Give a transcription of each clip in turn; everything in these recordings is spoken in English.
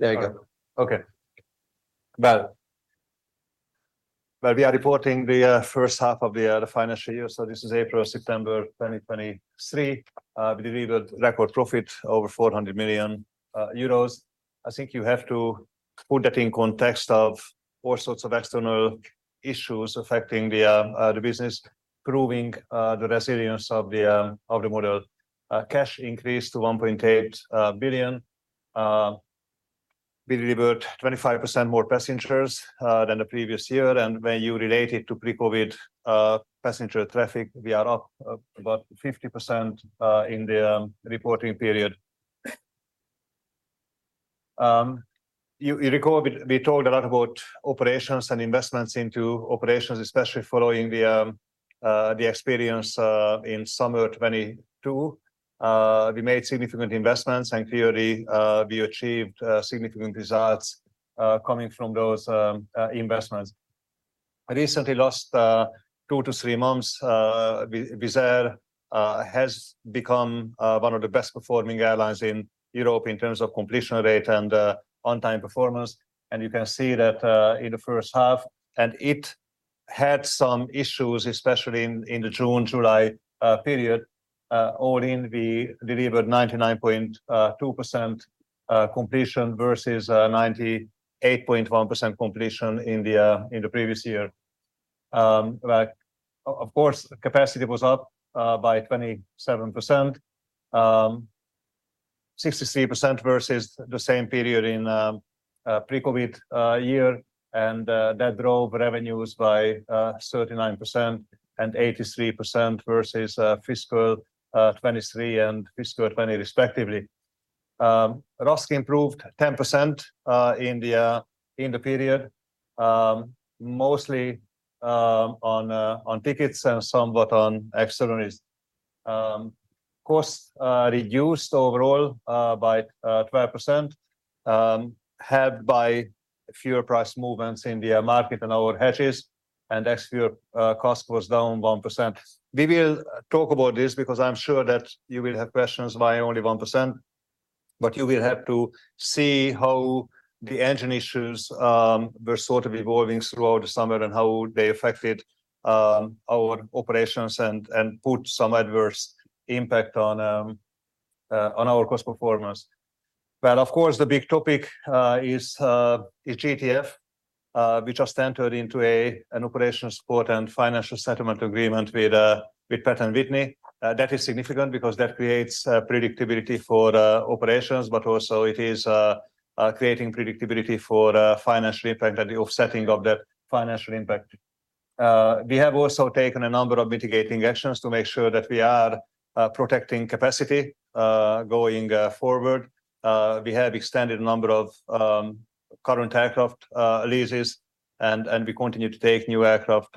There you go. Okay. Well, we are reporting the first half of the financial year, so this is April-September 2023. We delivered record profit over 400 million euros. I think you have to put that in context of all sorts of external issues affecting the business, proving the resilience of the model. Cash increased to 1.8 billion. We delivered 25% more passengers than the previous year, and when you relate it to pre-COVID passenger traffic, we are up about 50% in the reporting period. You recall, we talked a lot about operations and investments into operations, especially following the experience in summer 2022. We made significant investments, and clearly, we achieved significant results coming from those investments. Recently, last two to three months, Wizz Air has become one of the best performing airlines in Europe in terms of completion rate and on-time performance. And you can see that in the first half, and it had some issues, especially in the June, July period. All in, we delivered 99.2% completion versus 98.1% completion in the previous year. But of course, capacity was up by 27%, 63% versus the same period in pre-COVID year. And that drove revenues by 39% and 83% versus fiscal 2023 and fiscal 2020, respectively. RASK improved 10% in the period, mostly on tickets and somewhat on externalities. Costs reduced overall by 12%, helped by fuel price movements in the market and our hedges, and actual cost was down 1%. We will talk about this because I'm sure that you will have questions why only 1%, but you will have to see how the engine issues were sort of evolving throughout the summer and how they affected our operations and put some adverse impact on our cost performance. But of course, the big topic is GTF. We just entered into an operational support and financial settlement agreement with Pratt & Whitney. That is significant because that creates predictability for the operations, but also it is creating predictability for financial impact and the offsetting of that financial impact. We have also taken a number of mitigating actions to make sure that we are protecting capacity going forward. We have extended a number of current aircraft leases, and we continue to take new aircraft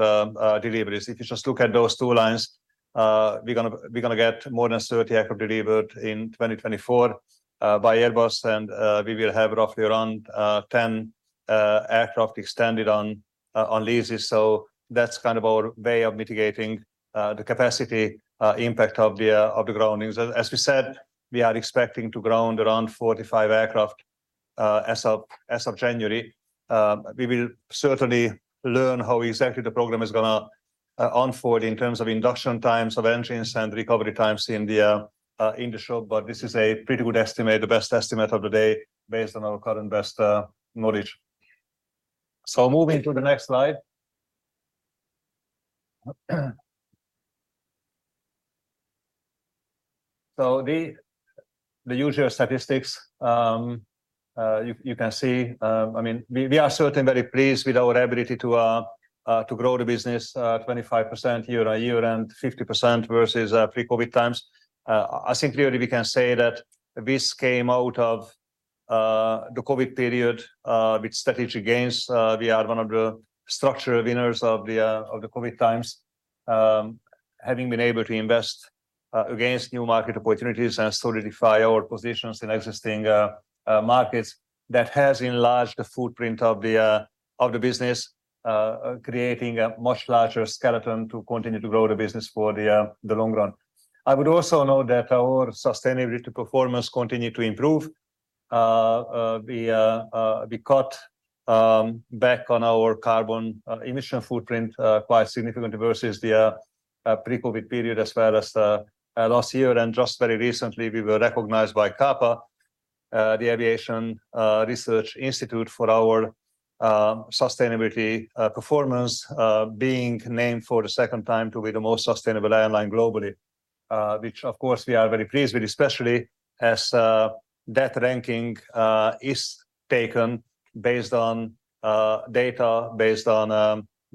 deliveries. If you just look at those two lines, we're gonna get more than 30 aircraft delivered in 2024 by Airbus, and we will have roughly around 10 aircraft extended on leases. So that's kind of our way of mitigating the capacity impact of the groundings. As we said, we are expecting to ground around 45 aircraft, as of January. We will certainly learn how exactly the program is gonna unfold in terms of induction times of engines and recovery times in the short, but this is a pretty good estimate, the best estimate of the day based on our current best knowledge. So moving to the next slide. So the usual statistics, you can see. I mean, we are certainly very pleased with our ability to grow the business 25% year-on-year and 50% versus pre-COVID times. I think clearly we can say that this came out of the COVID period with strategic gains. We are one of the structural winners of the COVID times, having been able to invest against new market opportunities and solidify our positions in existing markets. That has enlarged the footprint of the business, creating a much larger skeleton to continue to grow the business for the long run. I would also note that our sustainability performance continued to improve. We cut back on our carbon emission footprint quite significantly versus the pre-COVID period, as well as last year. Just very recently, we were recognized by CAPA, the Aviation Research Institute, for our sustainability performance, being named for the second time to be the most sustainable airline globally. Which of course, we are very pleased with, especially as that ranking is taken based on data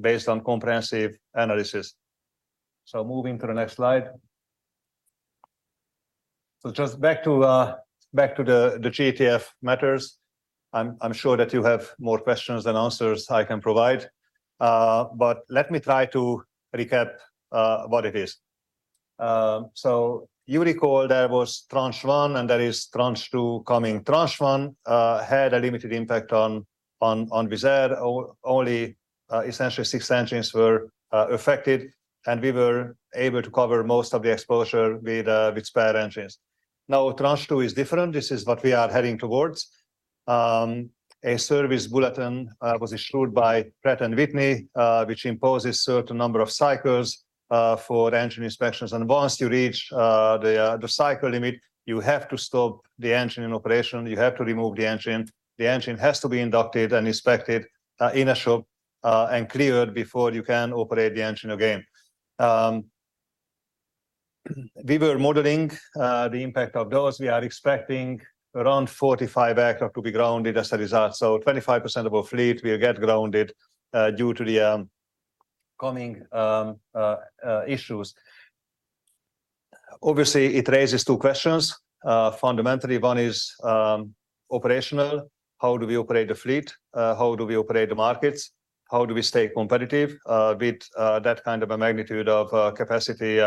based on comprehensive analysis. Moving to the next slide. Just back to the GTF matters. I'm sure that you have more questions than answers I can provide, but let me try to recap what it is. So you recall there was tranche one, and there is tranche two coming. Tranche one had a limited impact on Wizz Air, only essentially six engines were affected and we were able to cover most of the exposure with spare engines. Now, tranche two is different. This is what we are heading towards. A service bulletin was issued by Pratt & Whitney, which imposes certain number of cycles for the engine inspections, and once you reach the cycle limit, you have to stop the engine in operation, you have to remove the engine. The engine has to be inducted and inspected in a shop and cleared before you can operate the engine again. We were modeling the impact of those. We are expecting around 45 aircraft to be grounded as a result. So 25% of our fleet will get grounded due to the coming issues. Obviously, it raises two questions. Fundamentally, one is operational: how do we operate the fleet? How do we operate the markets? How do we stay competitive with that kind of a magnitude of capacity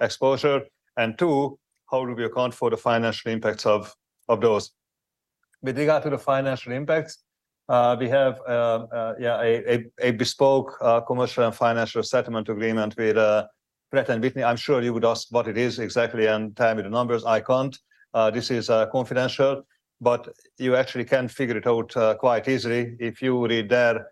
exposure? And two, how do we account for the financial impacts of those? With regard to the financial impacts, we have a bespoke commercial and financial settlement agreement with Pratt & Whitney. I'm sure you would ask what it is exactly and tell me the numbers, I can't. This is confidential, but you actually can figure it out quite easily if you read their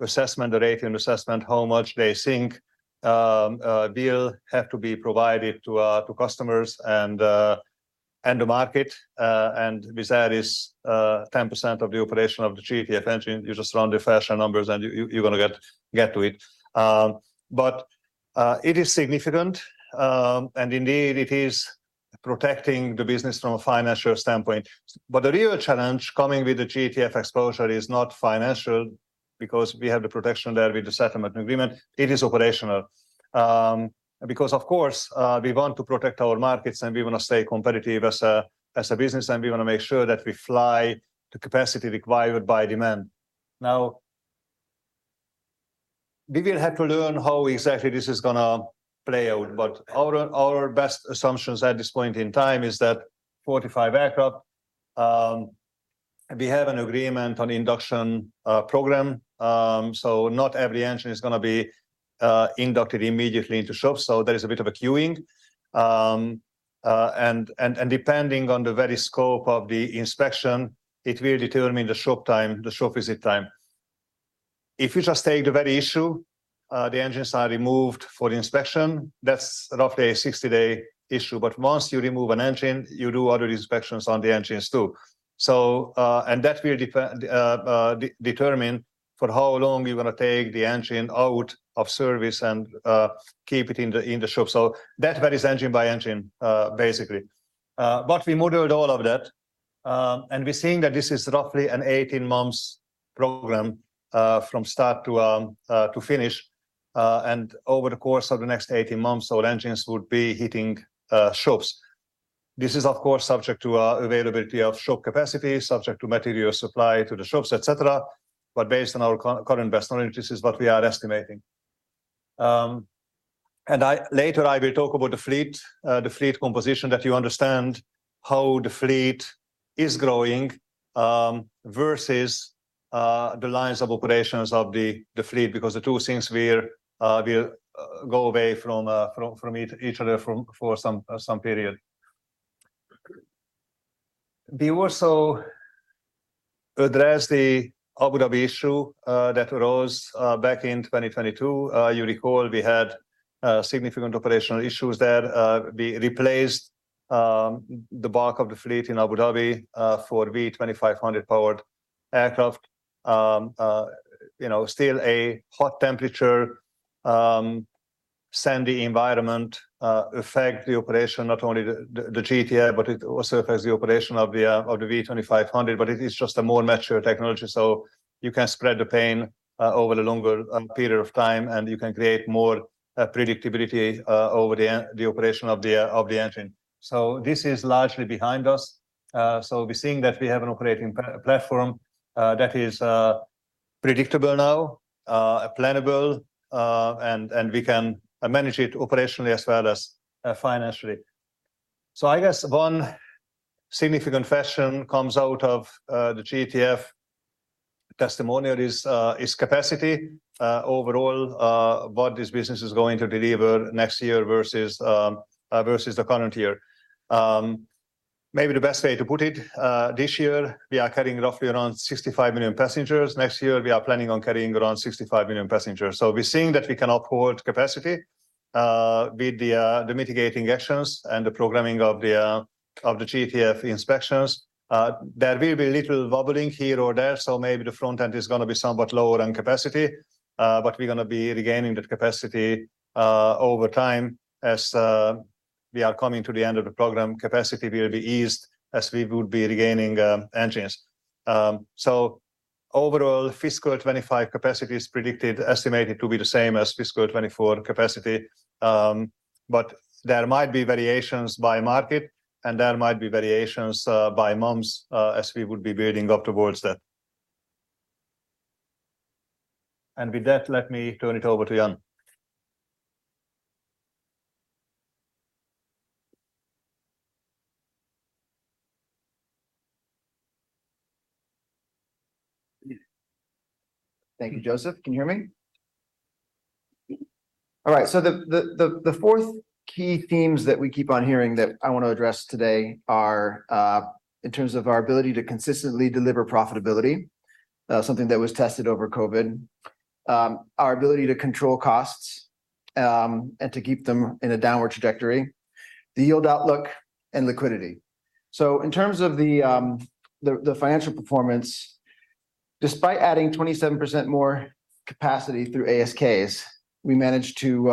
assessment, the rating assessment, how much they think deal have to be provided to customers and the market. And with that is 10% of the operation of the GTF engine. You just run the financial numbers and you're gonna get to it. But, it is significant, and indeed it is protecting the business from a financial standpoint. But the real challenge coming with the GTF exposure is not financial, because we have the protection there with the settlement agreement, it is operational. Because of course, we want to protect our markets, and we want to stay competitive as a, as a business, and we want to make sure that we fly the capacity required by demand. Now, we will have to learn how exactly this is gonna play out, but our, our best assumptions at this point in time is that 45 aircraft. We have an agreement on induction, program, so not every engine is gonna be, inducted immediately into shop, so there is a bit of a queuing. Depending on the very scope of the inspection, it will determine the shop time, the shop visit time. If you just take the very issue, the engines are removed for inspection, that's roughly a 60-day issue, but once you remove an engine, you do other inspections on the engines, too. So, and that will depend, determine for how long you're gonna take the engine out of service and, keep it in the shop. So that varies engine by engine, basically. But we modeled all of that, and we're seeing that this is roughly an 18 month program, from start to, to finish. And over the course of the next 18 months, our engines would be hitting, shops. This is, of course, subject to availability of shop capacity, subject to material supply to the shops, et cetera, but based on our current best knowledge, this is what we are estimating. And later, I will talk about the fleet, the fleet composition, that you understand how the fleet is growing, versus the lines of operations of the fleet, because the two things will go away from each other for some period. We also address the Abu Dhabi issue that arose back in 2022. You recall we had significant operational issues there. We replaced the bulk of the fleet in Abu Dhabi for V2500 powered aircraft. You know, still a hot temperature, sandy environment affect the operation, not only the GTF, but it also affects the operation of the V2500, but it is just a more mature technology, so you can spread the pain over a longer period of time, and you can create more predictability over the operation of the engine. So this is largely behind us. So we're seeing that we have an operating platform that is predictable now, plannable, and we can manage it operationally as well as financially. So I guess one significant question comes out of the GTF testimonial is capacity overall what this business is going to deliver next year versus the current year. Maybe the best way to put it, this year, we are carrying roughly around 65 million passengers. Next year, we are planning on carrying around 65 million passengers. So we're seeing that we can uphold capacity, with the mitigating actions and the programming of the GTF inspections. There will be little wobbling here or there, so maybe the front end is gonna be somewhat lower on capacity, but we're gonna be regaining that capacity, over time. As we are coming to the end of the program, capacity will be eased as we would be regaining engines. So overall, fiscal 2025 capacity is predicted, estimated to be the same as fiscal 2024 capacity. But there might be variations by market, and there might be variations by months, as we would be building up towards that. And with that, let me turn it over to Ian. Thank you, Joseph. Can you hear me? All right, so the fourth key themes that we keep on hearing that I want to address today are in terms of our ability to consistently deliver profitability, something that was tested over COVID, our ability to control costs, and to keep them in a downward trajectory, the yield outlook, and liquidity. So in terms of the financial performance, despite adding 27% more capacity through ASKs, we managed to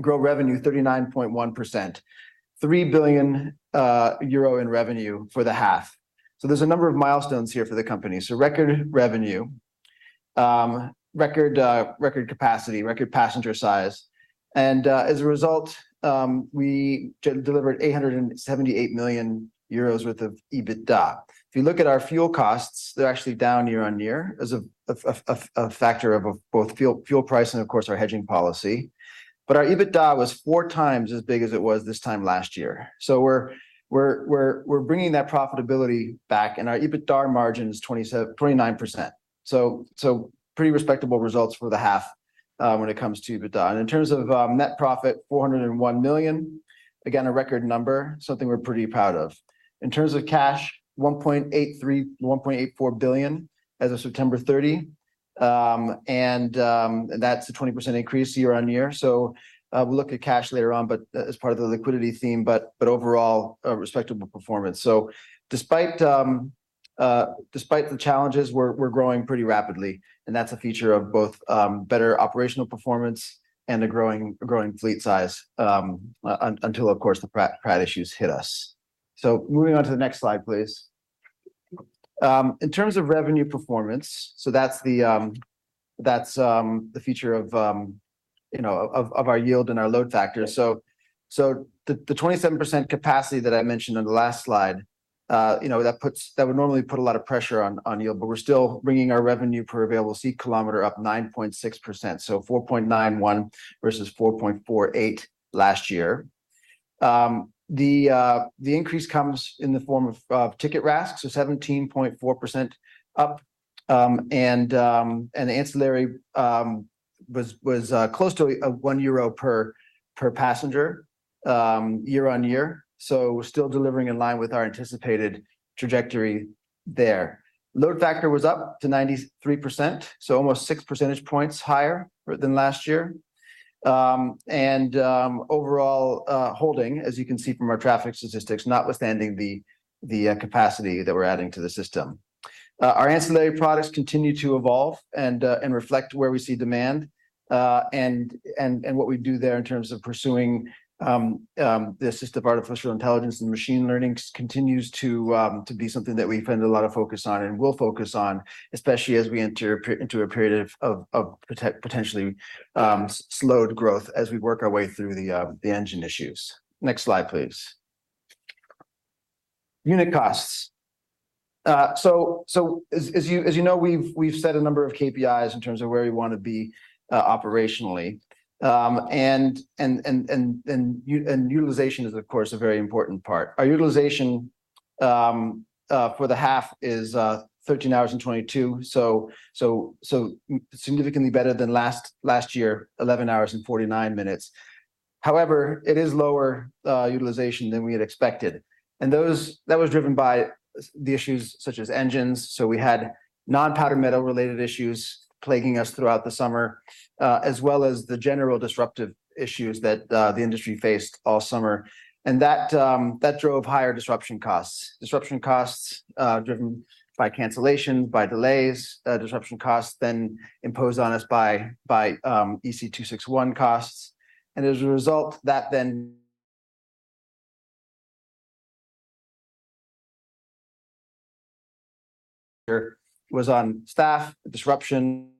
grow revenue 39.1%, 3 billion euro in revenue for the half. So there's a number of milestones here for the company. So record revenue, record capacity, record passenger size, and as a result, we delivered 878 million euros worth of EBITDA. If you look at our fuel costs, they're actually down year on year as a factor of both fuel price and, of course, our hedging policy. But our EBITDA was 4x as big as it was this time last year. So we're bringing that profitability back, and our EBITDA margin is 29%. So pretty respectable results for the half when it comes to EBITDA. And in terms of net profit, 401 million, again, a record number, something we're pretty proud of. In terms of cash, 1.84 billion as of September 30, and that's a 20% increase year on year. So we'll look at cash later on, but as part of the liquidity theme, but overall, a respectable performance. So despite the challenges, we're growing pretty rapidly, and that's a feature of both better operational performance and a growing fleet size, until, of course, the Pratt issues hit us. So moving on to the next slide, please. In terms of revenue performance, that's the feature of, you know, our yield and our load factor. So the 27% capacity that I mentioned in the last slide, you know, that puts, that would normally put a lot of pressure on yield, but we're still bringing our revenue per available seat kilometer up 9.6%, so 4.91 versus 4.48 last year. The increase comes in the form of ticket RASK, so 17.4% up, and the ancillary was close to 1 euro per passenger year-on-year. So we're still delivering in line with our anticipated trajectory there. Load factor was up to 93%, so almost six percentage points higher than last year. And overall holding, as you can see from our traffic statistics, notwithstanding the capacity that we're adding to the system. Our ancillary products continue to evolve and reflect where we see demand, and what we do there in terms of pursuing the use of artificial intelligence and machine learning continues to be something that we spend a lot of focus on and will focus on, especially as we enter into a period of potentially slowed growth as we work our way through the engine issues. Next slide, please. Unit costs. So as you know, we've set a number of KPIs in terms of where we want to be operationally. And utilization is, of course, a very important part. Our utilization for the half is 13 hours and 22 minutes, significantly better than last year, 11 hours and 49 minutes. However, it is lower utilization than we had expected, and that was driven by the issues such as engines. So we had non-powder metal-related issues plaguing us throughout the summer, as well as the general disruptive issues that the industry faced all summer. And that drove higher disruption costs. Disruption costs driven by cancellation, by delays, disruption costs then imposed on us by EC261 costs. And as a result, that was on staff, disruption,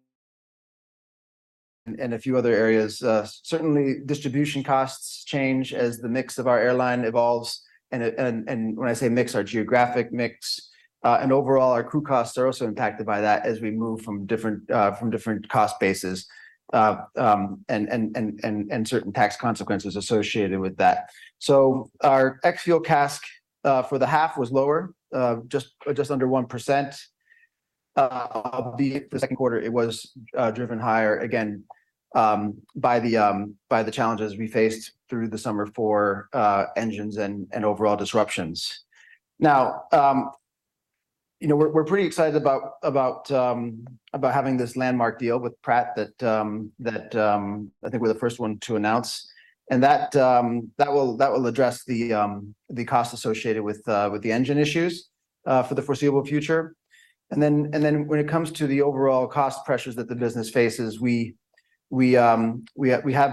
and a few other areas. Certainly, distribution costs change as the mix of our airline evolves, and when I say mix, our geographic mix, and overall, our crew costs are also impacted by that as we move from different cost bases. Certain tax consequences associated with that. So our ex-fuel CASK for the half was lower, just under 1%. The second quarter, it was driven higher again, by the challenges we faced through the summer for engines and overall disruptions. Now, you know, we're pretty excited about having this landmark deal with Pratt that, I think we're the first one to announce, and that will address the costs associated with the engine issues for the foreseeable future. Then, when it comes to the overall cost pressures that the business faces, we have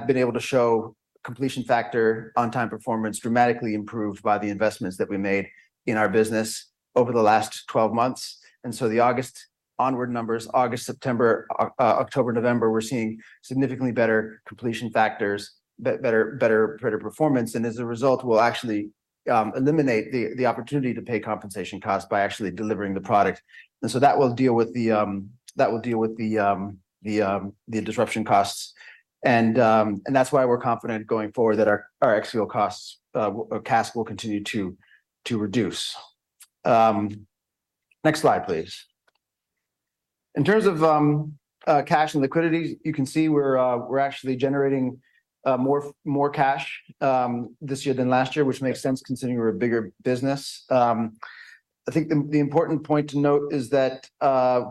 been able to show completion factor, on-time performance dramatically improved by the investments that we made in our business over the last 12 months. So the August onward numbers, August, September, October, November, we're seeing significantly better completion factors, better performance. As a result, we'll actually eliminate the opportunity to pay compensation costs by actually delivering the product. That will deal with the disruption costs. That's why we're confident going forward that our ex-fuel costs or CASK will continue to reduce. Next slide, please. In terms of cash and liquidity, you can see we're actually generating more cash this year than last year, which makes sense considering we're a bigger business. I think the important point to note is that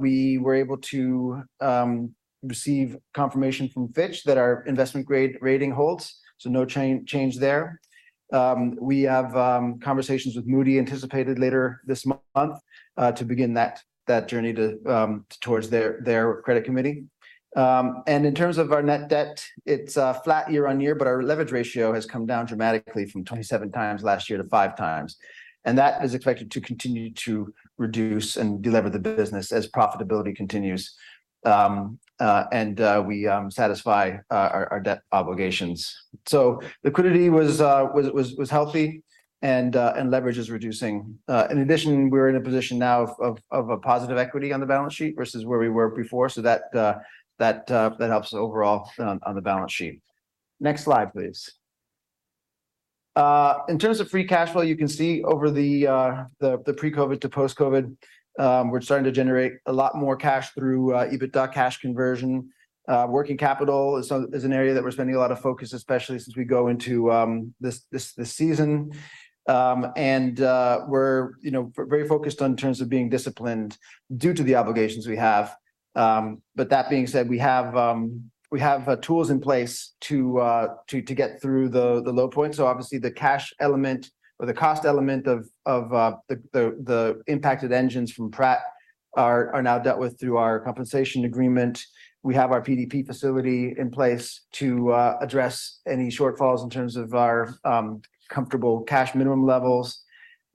we were able to receive confirmation from Fitch that our investment grade rating holds, so no change there. We have conversations with Moody's anticipated later this month to begin that journey towards their credit committee. And in terms of our net debt, it's flat year-on-year, but our leverage ratio has come down dramatically from 27x last year to 5x. And that is expected to continue to reduce and delever the business as profitability continues, and we satisfy our debt obligations. So liquidity was healthy, and leverage is reducing. In addition, we're in a position now of a positive equity on the balance sheet versus where we were before, so that helps overall on the balance sheet. Next slide, please. In terms of free cash flow, you can see over the pre-COVID to post-COVID, we're starting to generate a lot more cash through EBITDA cash conversion. Working capital is an area that we're spending a lot of focus, especially since we go into this season. And we're, you know, very focused on in terms of being disciplined due to the obligations we have. But that being said, we have tools in place to get through the low points. So obviously, the cash element or the cost element of the impacted engines from Pratt are now dealt with through our compensation agreement. We have our PDP facility in place to address any shortfalls in terms of our comfortable cash minimum levels.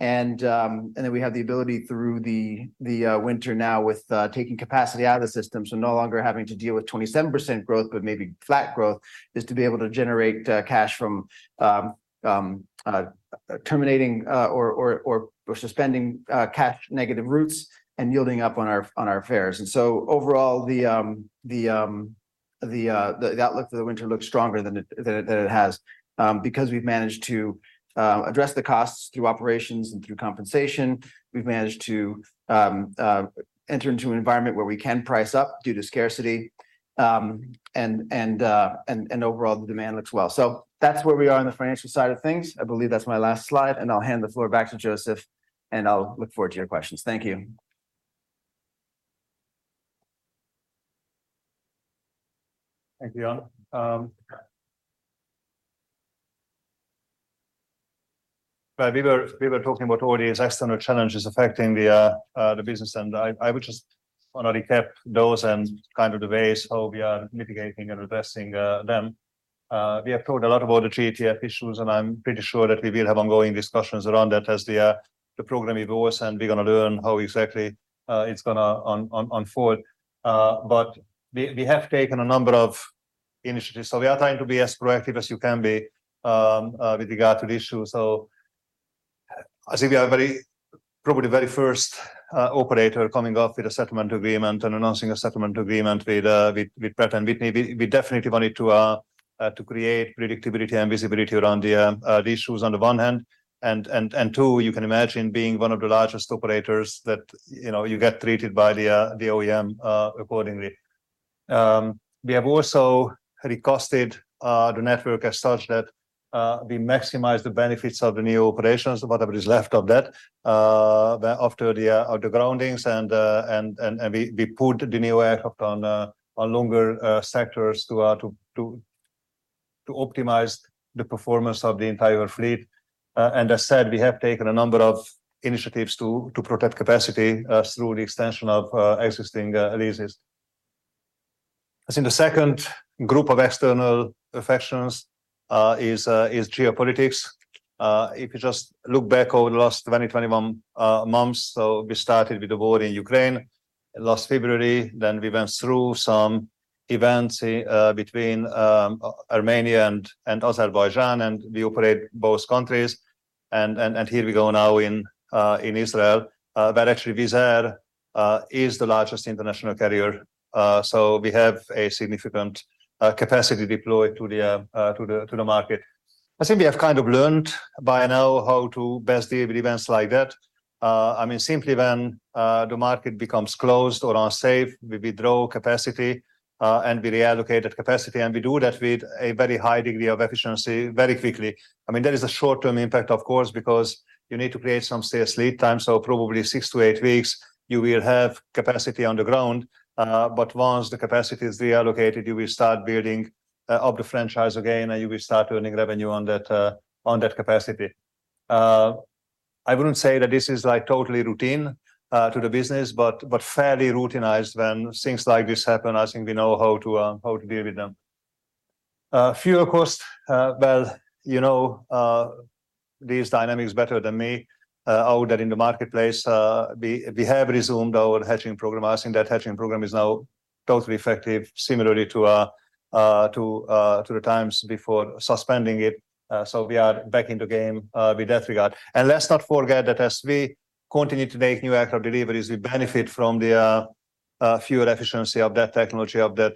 And then we have the ability through the winter now with taking capacity out of the system. So no longer having to deal with 27% growth, but maybe flat growth, is to be able to generate cash from terminating or suspending cash negative routes and yielding up on our fares. And so overall, the outlook for the winter looks stronger than it has because we've managed to address the costs through operations and through compensation. We've managed to enter into an environment where we can price up due to scarcity, and overall, the demand looks well. So that's where we are on the financial side of things. I believe that's my last slide, and I'll hand the floor back to Joseph, and I'll look forward to your questions. Thank you. Thank you, Ian. Well, we were, we were talking about all these external challenges affecting the, the business, and I, I would just want to recap those and kind of the ways how we are mitigating and addressing, them. We have talked a lot about the GTF issues, and I'm pretty sure that we will have ongoing discussions around that as the, the program evolves, and we're gonna learn how exactly, it's gonna unfold. But we, we have taken a number of initiatives, so we are trying to be as proactive as you can be, with regard to the issue. So I think we are very probably the very first, operator coming up with a settlement agreement and announcing a settlement agreement with, with, with Pratt & Whitney. We definitely wanted to create predictability and visibility around the issues on the one hand, and two, you can imagine being one of the largest operators that, you know, you get treated by the OEM accordingly. We have also recosted the network as such that we maximize the benefits of the new operations, whatever is left of that, after the groundings and we put the new aircraft on longer sectors to optimize the performance of the entire fleet. And as said, we have taken a number of initiatives to protect capacity through the extension of existing leases. I think the second group of external factors is geopolitics. If you just look back over the last 20, 21 months, so we started with the war in Ukraine last February, then we went through some events between Armenia and Azerbaijan, and we operate both countries, and here we go now in Israel, where actually Wizz Air is the largest international carrier. So we have a significant capacity deployed to the market. I think we have kind of learned by now how to best deal with events like that. I mean, simply when the market becomes closed or unsafe, we withdraw capacity, and we reallocate that capacity, and we do that with a very high degree of efficiency, very quickly. I mean, there is a short-term impact, of course, because you need to create some sales lead time, so probably six to eight weeks, you will have capacity on the ground. But once the capacity is reallocated, you will start building up the franchise again, and you will start earning revenue on that capacity. I wouldn't say that this is, like, totally routine to the business, but fairly routinized when things like this happen. I think we know how to deal with them. Fuel cost, well, you know, these dynamics better than me, how that in the marketplace. We have resumed our hedging program. I think that hedging program is now totally effective, similarly to the times before suspending it. So we are back in the game with that regard. And let's not forget that as we continue to make new aircraft deliveries, we benefit from the fuel efficiency of that technology of the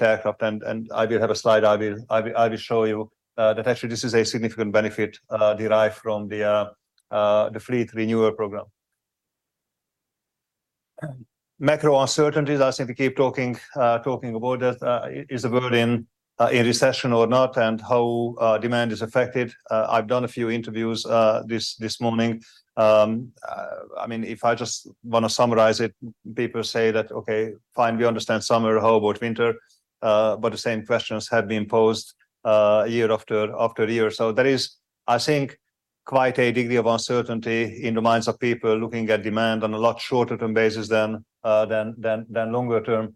aircraft. And I will have a slide. I will show you that actually this is a significant benefit derived from the new fleet renewal program. And macro uncertainties, I seem to keep talking about that is the world in recession or not, and how demand is affected. I've done a few interviews this morning. I mean, if I just wanna summarize it, people say that, "Okay, fine, we understand summer. How about winter?" But the same questions have been posed year after year. So there is, I think, quite a degree of uncertainty in the minds of people looking at demand on a lot shorter-term basis than longer term.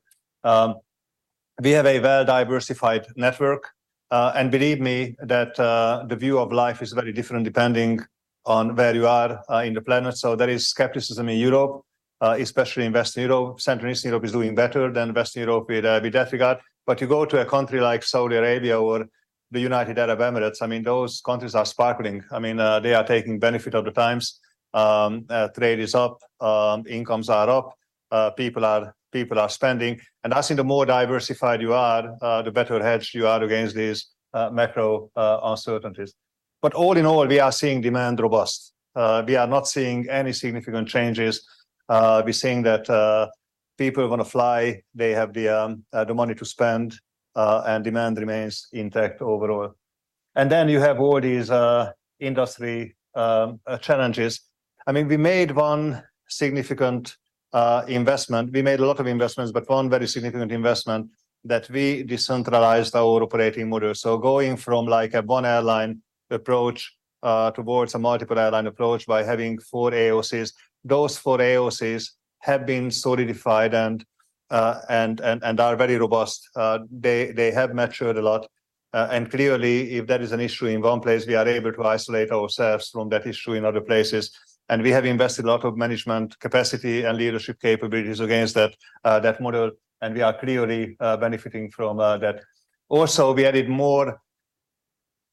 We have a well-diversified network, and believe me, that the view of life is very different depending on where you are in the planet. So there is skepticism in Europe, especially in Western Europe. Central Eastern Europe is doing better than Western Europe with that regard. But you go to a country like Saudi Arabia or the United Arab Emirates, I mean, those countries are sparkling. I mean, they are taking benefit of the times. Trade is up, incomes are up, people are spending. And I think the more diversified you are, the better hedged you are against these macro uncertainties. But all in all, we are seeing demand robust. We are not seeing any significant changes. We're seeing that, people want to fly, they have the, the money to spend, and demand remains intact overall. And then you have all these, industry challenges. I mean, we made one significant investment. We made a lot of investments, but one very significant investment that we decentralized our operating model. So going from, like, a one-airline approach, towards a multiple-airline approach by having four AOCs. Those four AOCs have been solidified and are very robust. They have matured a lot. And clearly, if there is an issue in one place, we are able to isolate ourselves from that issue in other places. We have invested a lot of management capacity and leadership capabilities against that model, and we are clearly benefiting from that. Also, we added more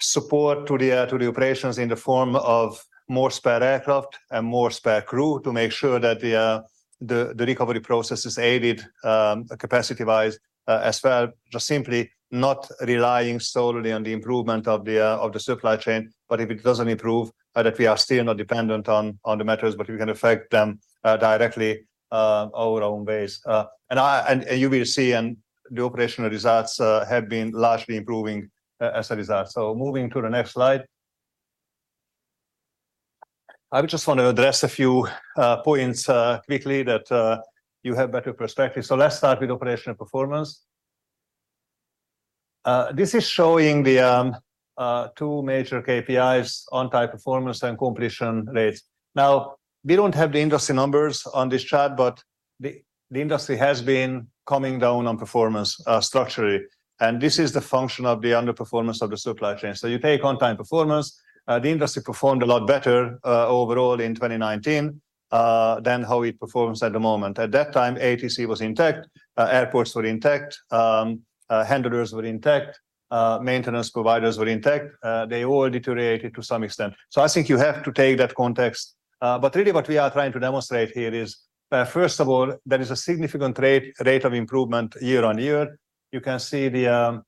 support to the operations in the form of more spare aircraft and more spare crew to make sure that the recovery process is aided, capacity-wise, as well. Just simply not relying solely on the improvement of the supply chain, but if it doesn't improve, that we are still not dependent on the matters, but we can affect them directly our own base. You will see in the operational results have been largely improving as a result. Moving to the next slide. I just want to address a few points quickly that you have better perspective. So let's start with operational performance. This is showing the two major KPIs: On-Time Performance and completion rates. Now, we don't have the industry numbers on this chart, but the industry has been coming down on performance structurally, and this is the function of the underperformance of the supply chain. So you take On-Time Performance, the industry performed a lot better overall in 2019 than how it performs at the moment. At that time, ATC was intact, airports were intact, handlers were intact, maintenance providers were intact. They all deteriorated to some extent. So I think you have to take that context. But really what we are trying to demonstrate here is, first of all, there is a significant rate of improvement year on year. You can see the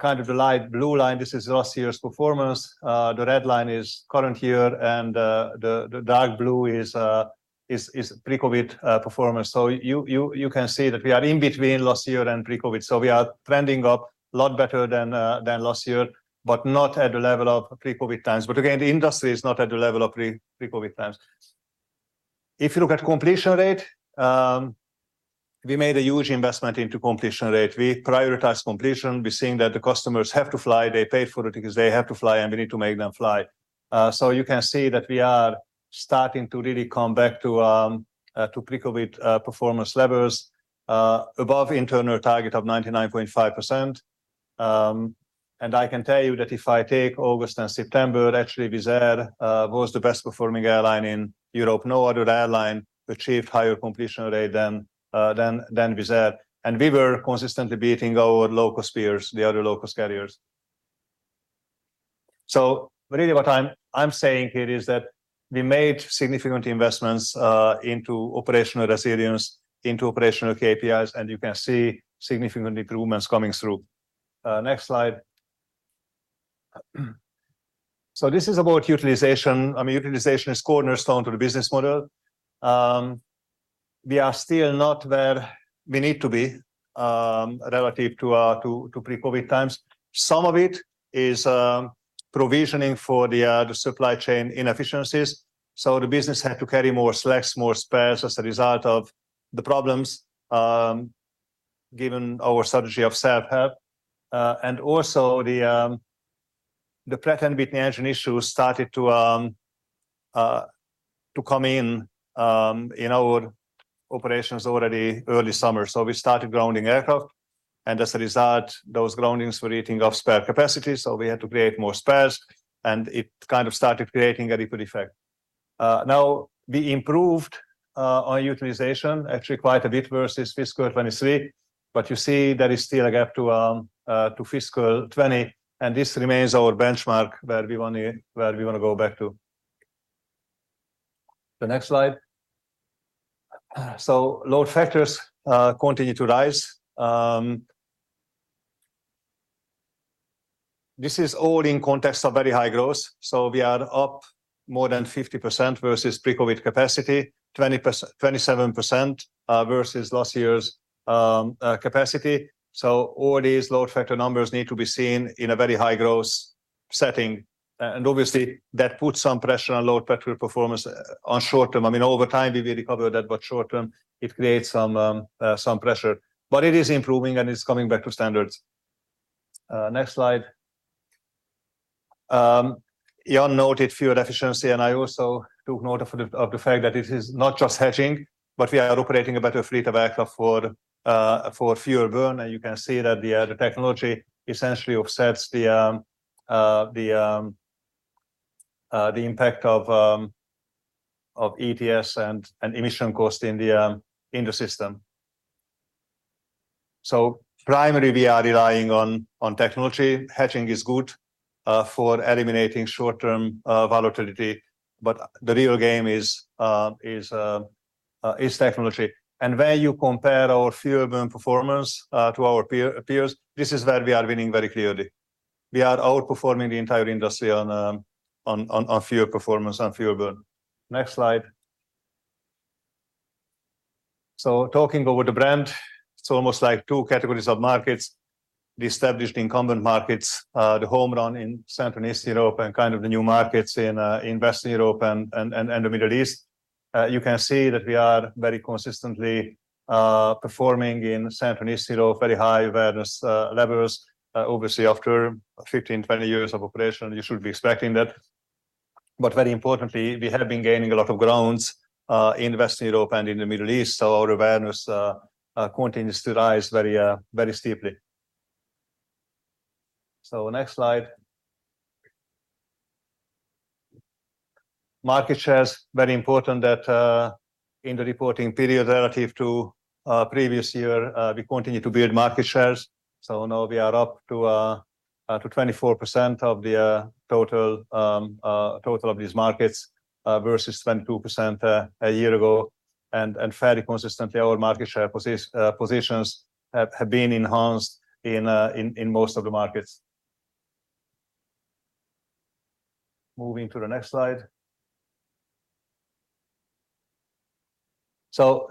kind of the light blue line. This is last year's performance. The red line is current year, and the dark blue is pre-COVID performance. So you can see that we are in between last year and pre-COVID. So we are trending up a lot better than last year, but not at the level of pre-COVID times. But again, the industry is not at the level of pre-COVID times. If you look at completion rate, we made a huge investment into completion rate. We prioritized completion. We're seeing that the customers have to fly. They paid for the tickets. They have to fly, and we need to make them fly. So you can see that we are starting to really come back to pre-COVID performance levels above internal target of 99.5%. And I can tell you that if I take August and September, actually, Wizz Air was the best-performing airline in Europe. No other airline achieved higher completion rate than than Wizz Air, and we were consistently beating our low-cost peers, the other low-cost carriers. So really what I'm saying here is that we made significant investments into operational resilience, into operational KPIs, and you can see significant improvements coming through. Next slide. So this is about utilization. I mean, utilization is cornerstone to the business model. We are still not where we need to be, relative to pre-COVID times. Some of it is provisioning for the supply chain inefficiencies. So the business had to carry more slacks, more spares, as a result of the problems, given our strategy of self-help. And also the Pratt & Whitney engine issues started to come in in our operations already early summer. So we started grounding aircraft, and as a result, those groundings were eating up spare capacity, so we had to create more spares, and it kind of started creating a ripple effect. Now, we improved our utilization actually quite a bit versus fiscal 2023, but you see there is still a gap to fiscal 2020, and this remains our benchmark where we want to go back to. The next slide. So load factors continue to rise. This is all in context of very high growth, so we are up more than 50% versus pre-COVID capacity, 27% versus last year's capacity. So all these load factor numbers need to be seen in a very high-growth setting, and obviously that puts some pressure on load factor performance on short term. I mean, over time, we will recover that, but short term, it creates some pressure, but it is improving, and it's coming back to standards. Next slide. Ian noted fuel efficiency, and I also took note of the fact that it is not just hedging, but we are operating a better fleet of aircraft for fuel burn, and you can see that the technology essentially offsets the impact of ETS and emission cost in the system. So primarily, we are relying on technology. Hedging is good for eliminating short-term volatility, but the real game is technology. And when you compare our fuel burn performance to our peers, this is where we are winning very clearly. We are outperforming the entire industry on fuel performance and fuel burn. Next slide. So talking about the brand, it's almost like two categories of markets: the established incumbent markets, the home run in Central and Eastern Europe, and kind of the new markets in, in Western Europe and the Middle East. You can see that we are very consistently performing in Central and Eastern Europe, very high awareness levels. Obviously, after 15, 20 years of operation, you should be expecting that. But very importantly, we have been gaining a lot of grounds in Western Europe and in the Middle East, so our awareness continues to rise very, very steeply. So next slide. Market shares, very important that in the reporting period relative to previous year, we continue to build market shares. So now we are up to 24% of the total of these markets versus 22% a year ago. Fairly consistently, our market share positions have been enhanced in most of the markets. Moving to the next slide.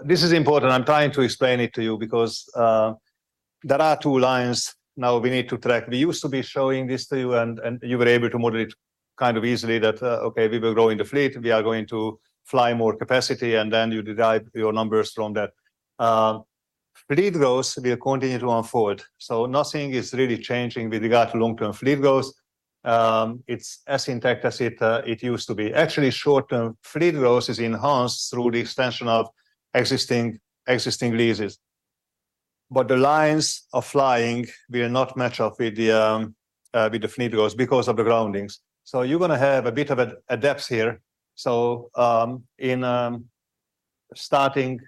This is important. I'm trying to explain it to you because there are two lines now we need to track. We used to be showing this to you, and you were able to model it kind of easily that okay, we will grow in the fleet, we are going to fly more capacity, and then you derive your numbers from that. Fleet growth will continue to unfold, so nothing is really changing with regard to long-term fleet growth. It's as intact as it used to be. Actually, short-term fleet growth is enhanced through the extension of existing leases. But the lines of flying will not match up with the fleet growth because of the groundings. So you're going to have a bit of a depth here. So, starting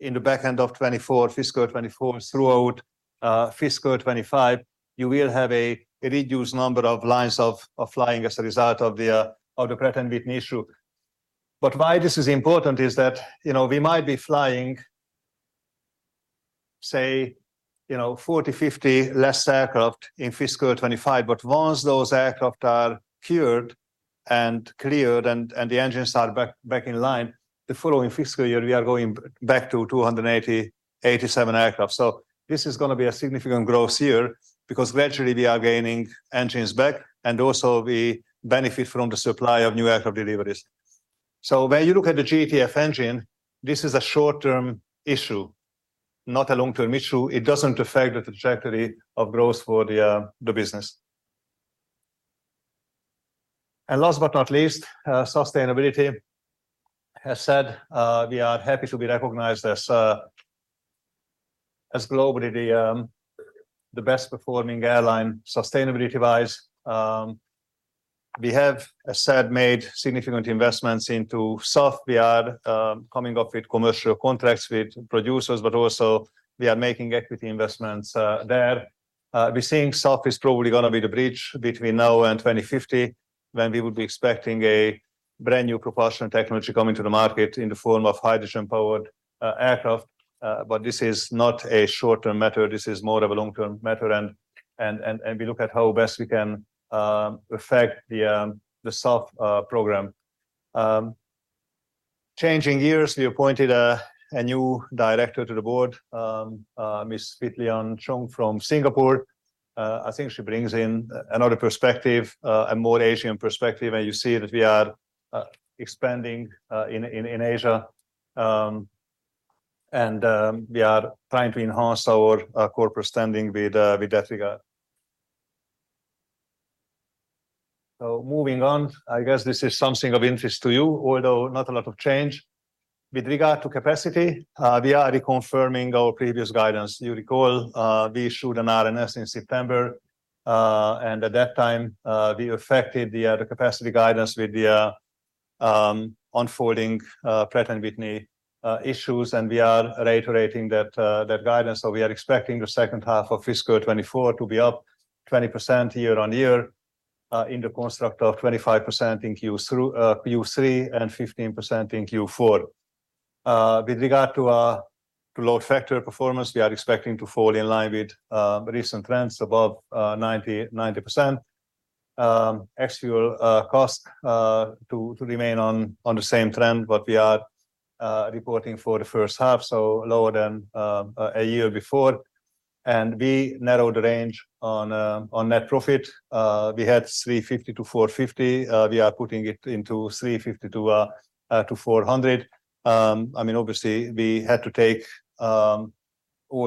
in the back end of 2024, fiscal 2024, throughout fiscal 2025, you will have a reduced number of lines of flying as a result of the Pratt & Whitney issue. But why this is important is that, you know, we might be flying, say, you know, 40, 50 less aircraft in fiscal 2025, but once those aircraft are cured and cleared, and the engines are back in line, the following fiscal year, we are going back to 287 aircraft. So this is going to be a significant growth year because gradually we are gaining engines back, and also we benefit from the supply of new aircraft deliveries. When you look at the GTF engine, this is a short-term issue, not a long-term issue. It doesn't affect the trajectory of growth for the business. And last but not least, sustainability. As said, we are happy to be recognized as globally the best performing airline, sustainability-wise. We have, as said, made significant investments into SAF. We are coming up with commercial contracts with producers, but also we are making equity investments there. We're seeing SAF is probably going to be the bridge between now and 2050, when we would be expecting a brand-new propulsion technology coming to the market in the form of hydrogen-powered aircraft. But this is not a short-term matter. This is more of a long-term matter, and we look at how best we can affect the SAF program. Changing gears, we appointed a new director to the board, Ms. Phit Lian Chong from Singapore. I think she brings in another perspective, a more Asian perspective, and you see that we are expanding in Asia. And we are trying to enhance our corporate standing with that regard. So moving on, I guess this is something of interest to you, although not a lot of change. With regard to capacity, we are reconfirming our previous guidance. You recall, we issued an RNS in September, and at that time, we affected the capacity guidance with the unfolding Pratt & Whitney issues, and we are reiterating that guidance. So we are expecting the second half of fiscal 2024 to be up 20% year-on-year, in the construct of 25% in Q2 through Q3 and 15% in Q4. With regard to our load factor performance, we are expecting to fall in line with recent trends above 90%. Actual cost to remain on the same trend, but we are reporting for the first half, so lower than a year before. We narrowed the range on net profit. We had 350 million-450 million. We are putting it into 350-400. I mean, obviously, we had to take all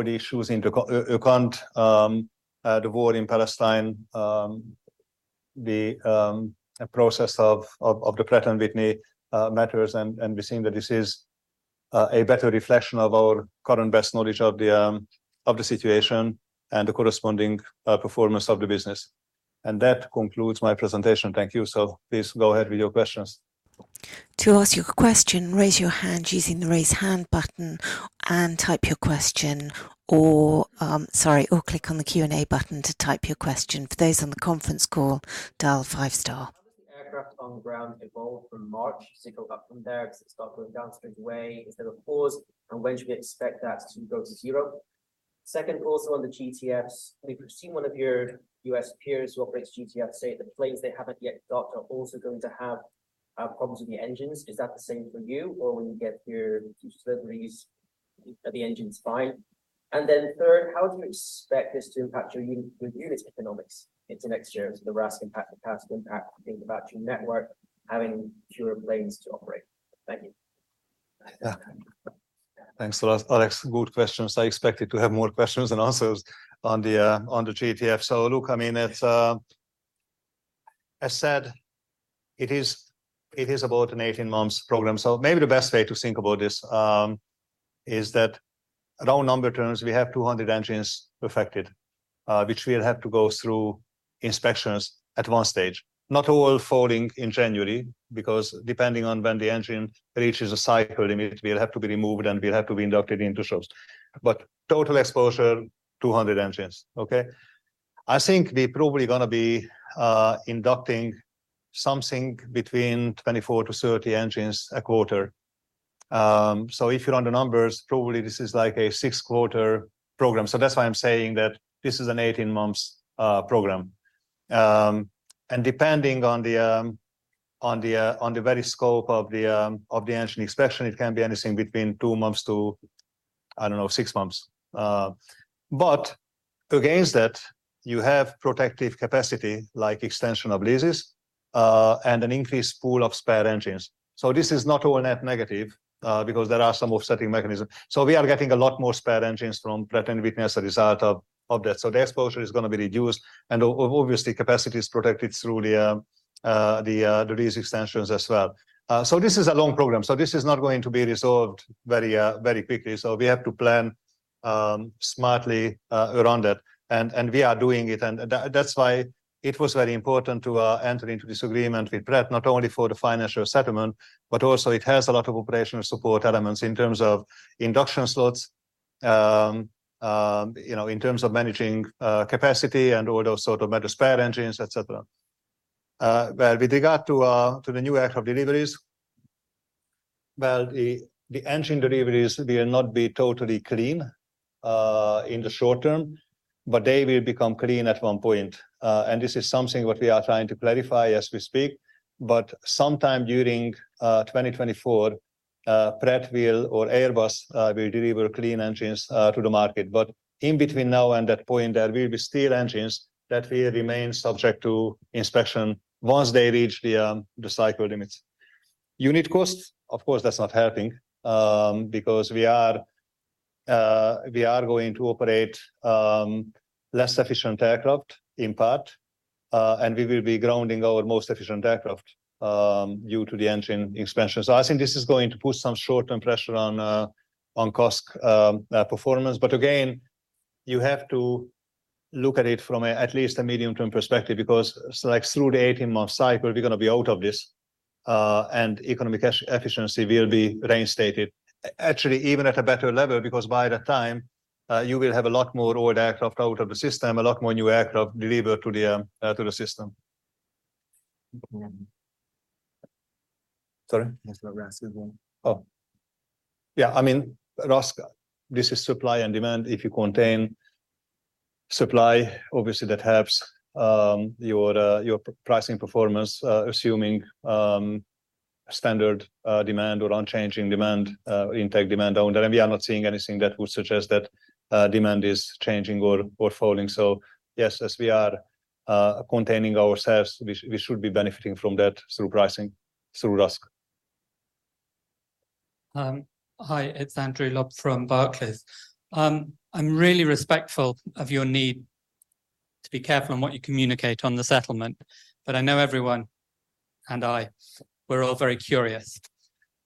the issues into account, the war in Palestine, the process of the Pratt & Whitney matters, and we're seeing that this is a better reflection of our current best knowledge of the situation and the corresponding performance of the business. And that concludes my presentation. Thank you. So please go ahead with your questions. To ask your question, raise your hand using the Raise Hand button and type your question or click on the Q&A button to type your question. For those on the conference call, dial five star. How has the aircraft on the ground evolved from March? So it go up from there, because it started going down straight away. Is there a pause, and when should we expect that to go to zero? Second, also on the GTFs, we've seen one of your US peers who operates GTF say the planes they haven't yet got are also going to have problems with the engines. Is that the same for you, or when you get your deliveries, are the engines fine? And then third, how do you expect this to impact your unit revenue economics into next year as the RASK impact, the CASK impact, think about your network having fewer planes to operate? Thank you. Yeah. Thanks, Alex. Good questions. I expected to have more questions than answers on the, on the GTF. So look, I mean, it's. I said it is, it is about an 18 months program. So maybe the best way to think about this, is that around number terms, we have 200 engines affected, which will have to go through inspections at one stage. Not all falling in January, because depending on when the engine reaches a cycle limit, it will have to be removed and will have to be inducted into shops. But total exposure, 200 engines. Okay? I think we're probably going to be, inducting something between 24-30 engines a quarter. So if you run the numbers, probably this is like a six quarter program. So that's why I'm saying that this is an 18 months, program. And depending on the very scope of the engine inspection, it can be anything between two months to, I don't know, six months. But against that, you have protective capacity, like extension of leases, and an increased pool of spare engines. So this is not all net negative, because there are some offsetting mechanisms. So we are getting a lot more spare engines from Pratt & Whitney as a result of that. So the exposure is going to be reduced, and obviously, capacity is protected through the lease extensions as well. So this is a long program, so this is not going to be resolved very quickly. So we have to plan smartly around it, and we are doing it. And that, that's why it was very important to enter into this agreement with Pratt, not only for the financial settlement, but also it has a lot of operational support elements in terms of induction slots, you know, in terms of managing capacity and all those sort of matter, spare engines, et cetera. Well, with regard to the new aircraft deliveries, the engine deliveries will not be totally clean in the short term, but they will become clean at one point. And this is something that we are trying to clarify as we speak. But sometime during 2024, Pratt will or Airbus will deliver clean engines to the market. But in between now and that point, there will be still engines that will remain subject to inspection once they reach the cycle limits. Unit costs, of course, that's not helping, because we are going to operate less efficient aircraft in part, and we will be grounding our most efficient aircraft due to the engine expansion. So I think this is going to put some short-term pressure on cost performance. But again, you have to look at it from at least a medium-term perspective, because so like through the 18-month cycle, we're going to be out of this, and economic efficiency will be reinstated. Actually, even at a better level, because by that time, you will have a lot more old aircraft out of the system, a lot more new aircraft delivered to the system. Sorry? There's no RASK as well. Oh, yeah. I mean, RASK, this is supply and demand. If you contain supply, obviously that helps your pricing performance, assuming standard demand or unchanging demand, intact demand on that. And we are not seeing anything that would suggest that demand is changing or falling. So yes, as we are containing ourselves, we should be benefiting from that through pricing, through RASK. Hi, it's Andrew Lobbenberg from Barclays. I'm really respectful of your need to be careful on what you communicate on the settlement, but I know everyone and I, we're all very curious.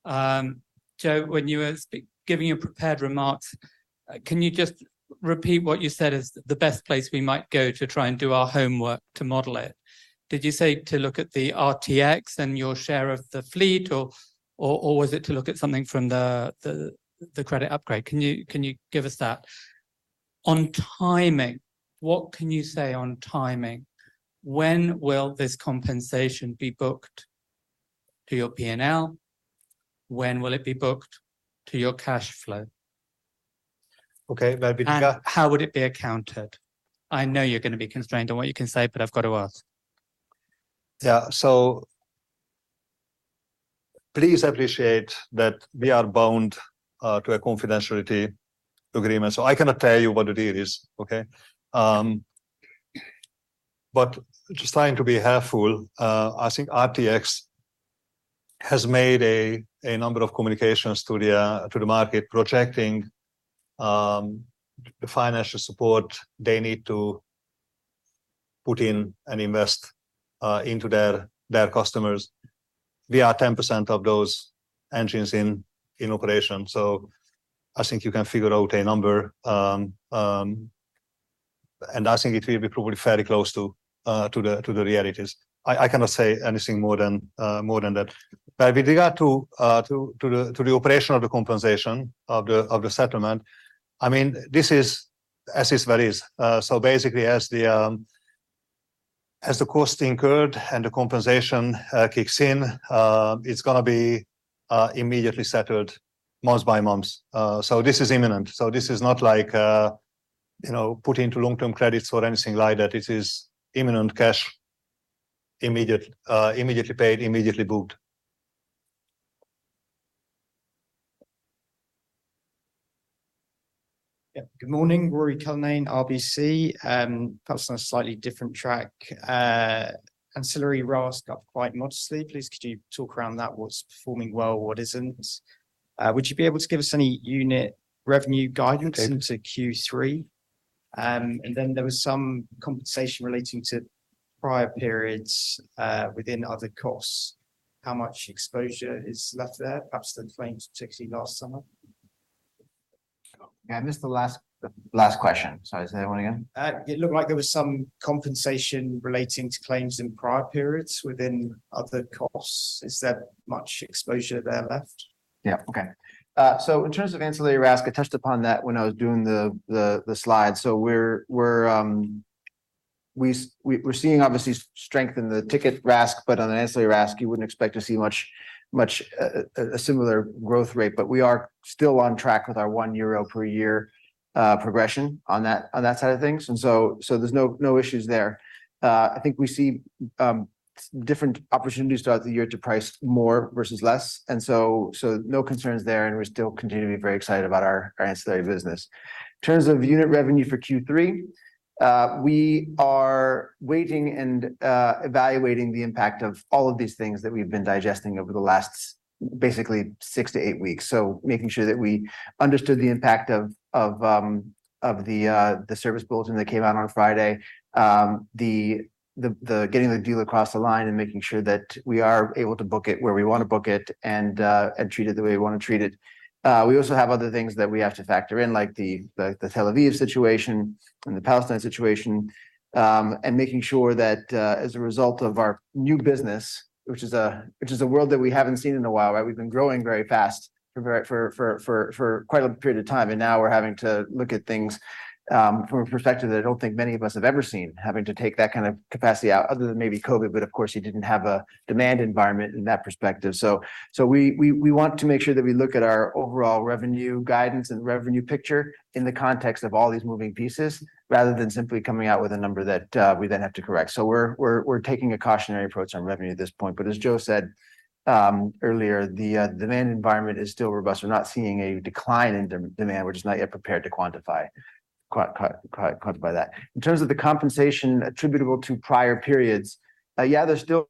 Joe, when you were giving your prepared remarks, can you just repeat what you said is the best place we might go to try and do our homework to model it? Did you say to look at the RTX and your share of the fleet, or, or, or was it to look at something from the, the, the credit upgrade? Can you, can you give us that? On timing, what can you say on timing? When will this compensation be booked to your P&L? When will it be booked to your cash flow? Okay, with regard- How would it be accounted? I know you're gonna be constrained on what you can say, but I've got to ask. Yeah. So please appreciate that we are bound to a confidentiality agreement, so I cannot tell you what the deal is, okay? But just trying to be helpful, I think RTX has made a number of communications to the market, projecting the financial support they need to put in and invest into their customers. We are 10% of those engines in operation, so I think you can figure out a number. And I think it will be probably fairly close to the realities. I cannot say anything more than that. But with regard to the operation of the compensation of the settlement, I mean, this is as is, where is. So basically, as the cost incurred and the compensation kicks in, it's gonna be immediately settled month by month. So this is imminent. So this is not like, you know, put into long-term credits or anything like that. It is imminent cash, immediately paid, immediately booked. Yeah. Good morning, Ruairi Cullinane, RBC. Perhaps on a slightly different track, ancillary RASK up quite modestly. Please, could you talk around that? What's performing well, what isn't? Would you be able to give us any unit revenue guidance? Okay. -into Q3? And then there was some compensation relating to prior periods, within other costs. How much exposure is left there? Perhaps the claims, particularly last summer. I missed the last, the last question. Sorry, say that one again? It looked like there was some compensation relating to claims in prior periods within other costs. Is there much exposure there left? Yeah. Okay. So in terms of ancillary RASK, I touched upon that when I was doing the slide. So we're seeing obviously strength in the ticket RASK, but on the ancillary RASK, you wouldn't expect to see much of a similar growth rate. But we are still on track with our 1 euro per year progression on that side of things. So there's no issues there. I think we see different opportunities throughout the year to price more versus less, so no concerns there, and we still continue to be very excited about our ancillary business. In terms of unit revenue for Q3, we are waiting and evaluating the impact of all of these things that we've been digesting over the last basically six to eight weeks. So making sure that we understood the impact of the service bulletin that came out on Friday, getting the deal across the line and making sure that we are able to book it where we want to book it and treat it the way we want to treat it. We also have other things that we have to factor in, like the Tel Aviv situation and the Palestine situation, and making sure that as a result of our new business, which is a world that we haven't seen in a while, right? We've been growing very fast for quite a period of time, and now we're having to look at things from a perspective that I don't think many of us have ever seen, having to take that kind of capacity out, other than maybe COVID, but of course, you didn't have a demand environment in that perspective. So we want to make sure that we look at our overall revenue guidance and revenue picture in the context of all these moving pieces, rather than simply coming out with a number that we then have to correct. So we're taking a cautionary approach on revenue at this point, but as Joe said earlier, the demand environment is still robust. We're not seeing a decline in demand. We're just not yet prepared to quantify that. In terms of the compensation attributable to prior periods, yeah, there's still-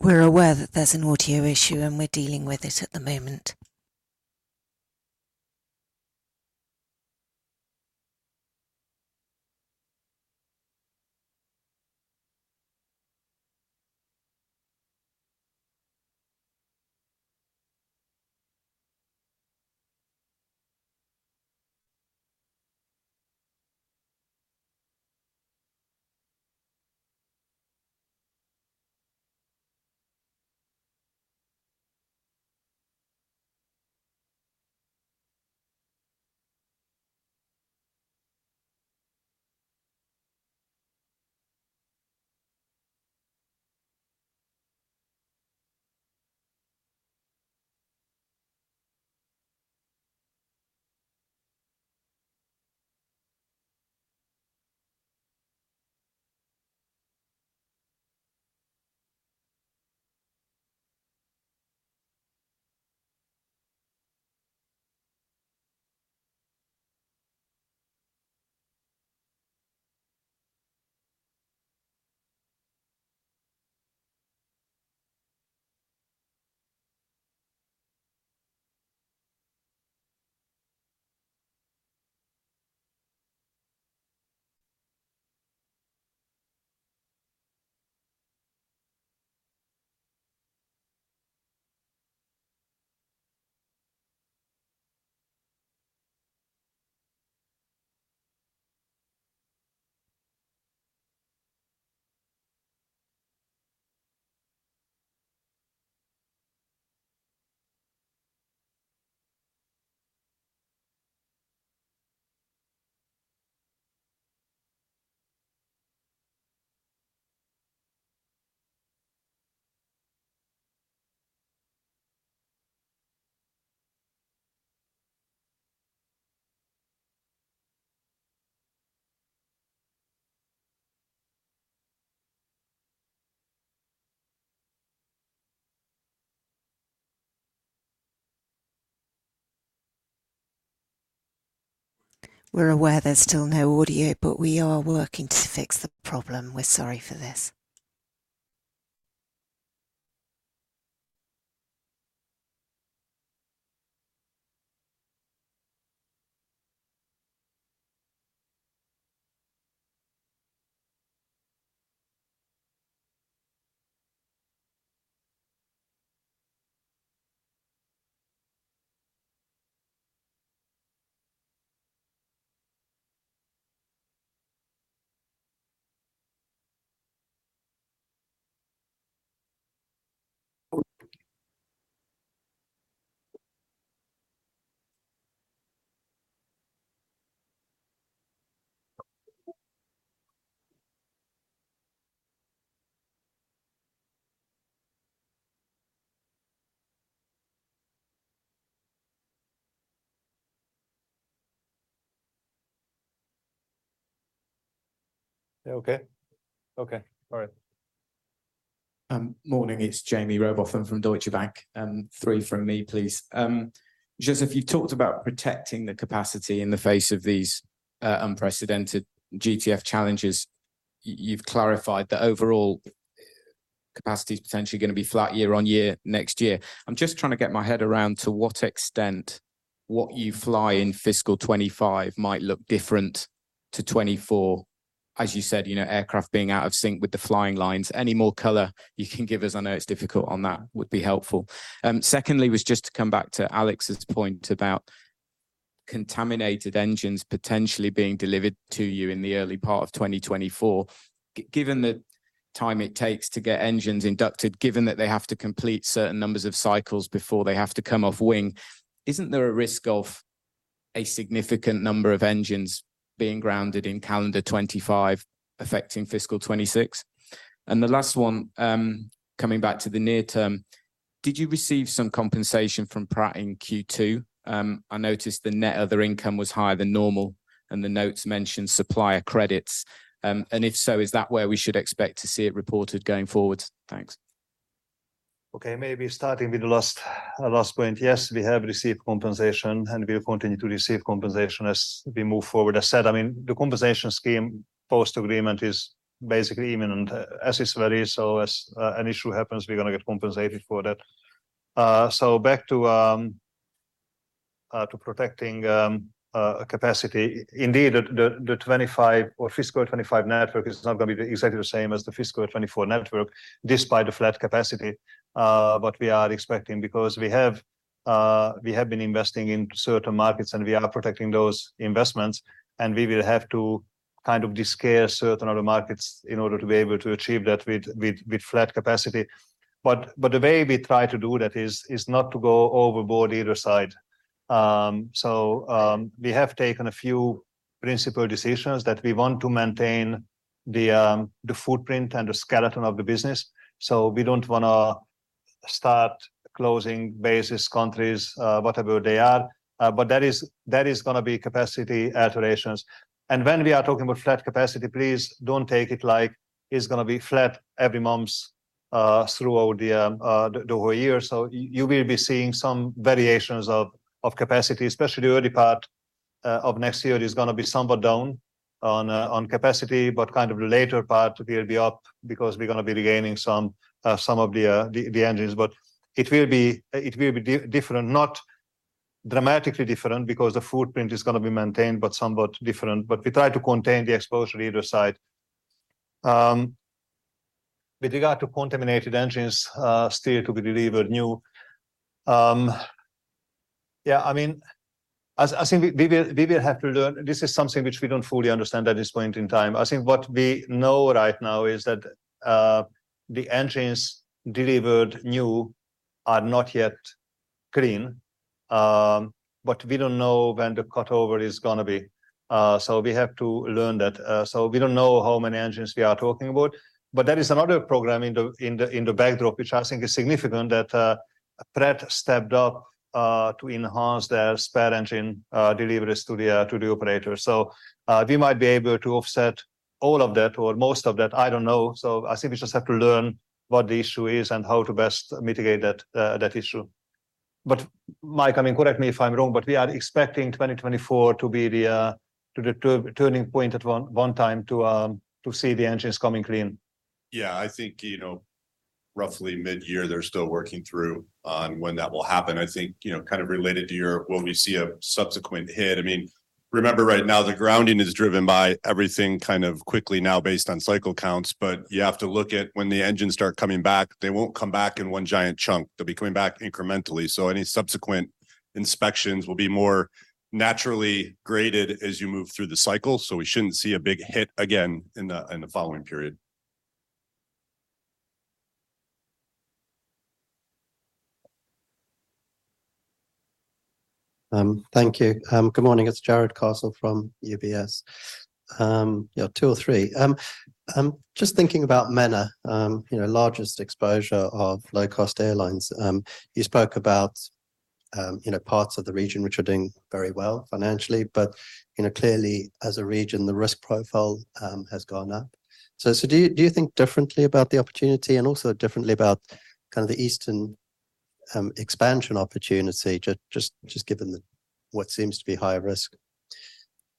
We're aware that there's an audio issue, and we're dealing with it at the moment. We're aware there's still no audio, but we are working to fix the problem. We're sorry for this. Okay. Okay, all right. Morning, it's Jaime Rowbothamfrom Deutsche Bank. Three from me, please. Just if you talked about protecting the capacity in the face of these unprecedented GTF challenges, you've clarified that overall, capacity is potentially gonna be flat year-on-year next year. I'm just trying to get my head around to what extent what you fly in fiscal 2025 might look different to 2024. As you said, you know, aircraft being out of sync with the flying lines. Any more color you can give us, I know it's difficult, on that would be helpful. Secondly, was just to come back to Alex's point about contaminated engines potentially being delivered to you in the early part of 2024. Given the time it takes to get engines inducted, given that they have to complete certain numbers of cycles before they have to come off wing, isn't there a risk of a significant number of engines being grounded in calendar 2025, affecting fiscal 2026? And the last one, coming back to the near term, did you receive some compensation from Pratt in Q2? I noticed the net other income was higher than normal, and the notes mentioned supplier credits. And if so, is that where we should expect to see it reported going forward? Thanks. Okay. Maybe starting with the last point. Yes, we have received compensation, and we'll continue to receive compensation as we move forward. I said, I mean, the compensation scheme post-agreement is basically imminent, as is very. So as an issue happens, we're gonna get compensated for that. So back to protecting capacity. Indeed, the 2025 or fiscal 2025 network is not gonna be exactly the same as the fiscal 2024 network, despite the flat capacity, what we are expecting because we have been investing in certain markets and we are protecting those investments, and we will have to kind of de-scale certain other markets in order to be able to achieve that with flat capacity. But the way we try to do that is not to go overboard either side. So, we have taken a few principal decisions that we want to maintain the footprint and the skeleton of the business, so we don't wanna start closing bases, countries, whatever they are. But that is gonna be capacity alterations. And when we are talking about flat capacity, please don't take it like it's gonna be flat every month throughout the whole year. So you will be seeing some variations of capacity, especially the early part of next year is gonna be somewhat down on capacity, but kind of the later part will be up because we're gonna be regaining some of the engines. But it will be different, not dramatically different, because the footprint is gonna be maintained, but somewhat different. But we try to contain the exposure either side. With regard to contaminated engines still to be delivered new, I mean, as I think we will have to learn. This is something which we don't fully understand at this point in time. I think what we know right now is that the engines delivered new are not yet clean, but we don't know when the cut over is gonna be. So we have to learn that. So we don't know how many engines we are talking about, but there is another program in the backdrop, which I think is significant, that Pratt stepped up to enhance their spare engine deliveries to the operator. So, we might be able to offset all of that or most of that, I don't know. So I think we just have to learn what the issue is and how to best mitigate that issue. But, Mike, I mean, correct me if I'm wrong, but we are expecting 2024 to be the turning point at one time to see the engines coming clean. Yeah, I think, you know, roughly mid-year, they're still working through on when that will happen. I think, you know, kind of related to your, will we see a subsequent hit? I mean, remember right now, the grounding is driven by everything kind of quickly now based on cycle counts, but you have to look at when the engines start coming back, they won't come back in one giant chunk. They'll be coming back incrementally. So any subsequent inspections will be more naturally graded as you move through the cycle, so we shouldn't see a big hit again in the, in the following period. Thank you. Good morning, it's Jarrod Castle from UBS. Yeah, two or three. Just thinking about MENA, you know, largest exposure of low-cost airlines. You spoke about, you know, parts of the region which are doing very well financially, but, you know, clearly as a region, the risk profile has gone up. So, do you think differently about the opportunity and also differently about kind of the eastern expansion opportunity, just given the what seems to be higher risk?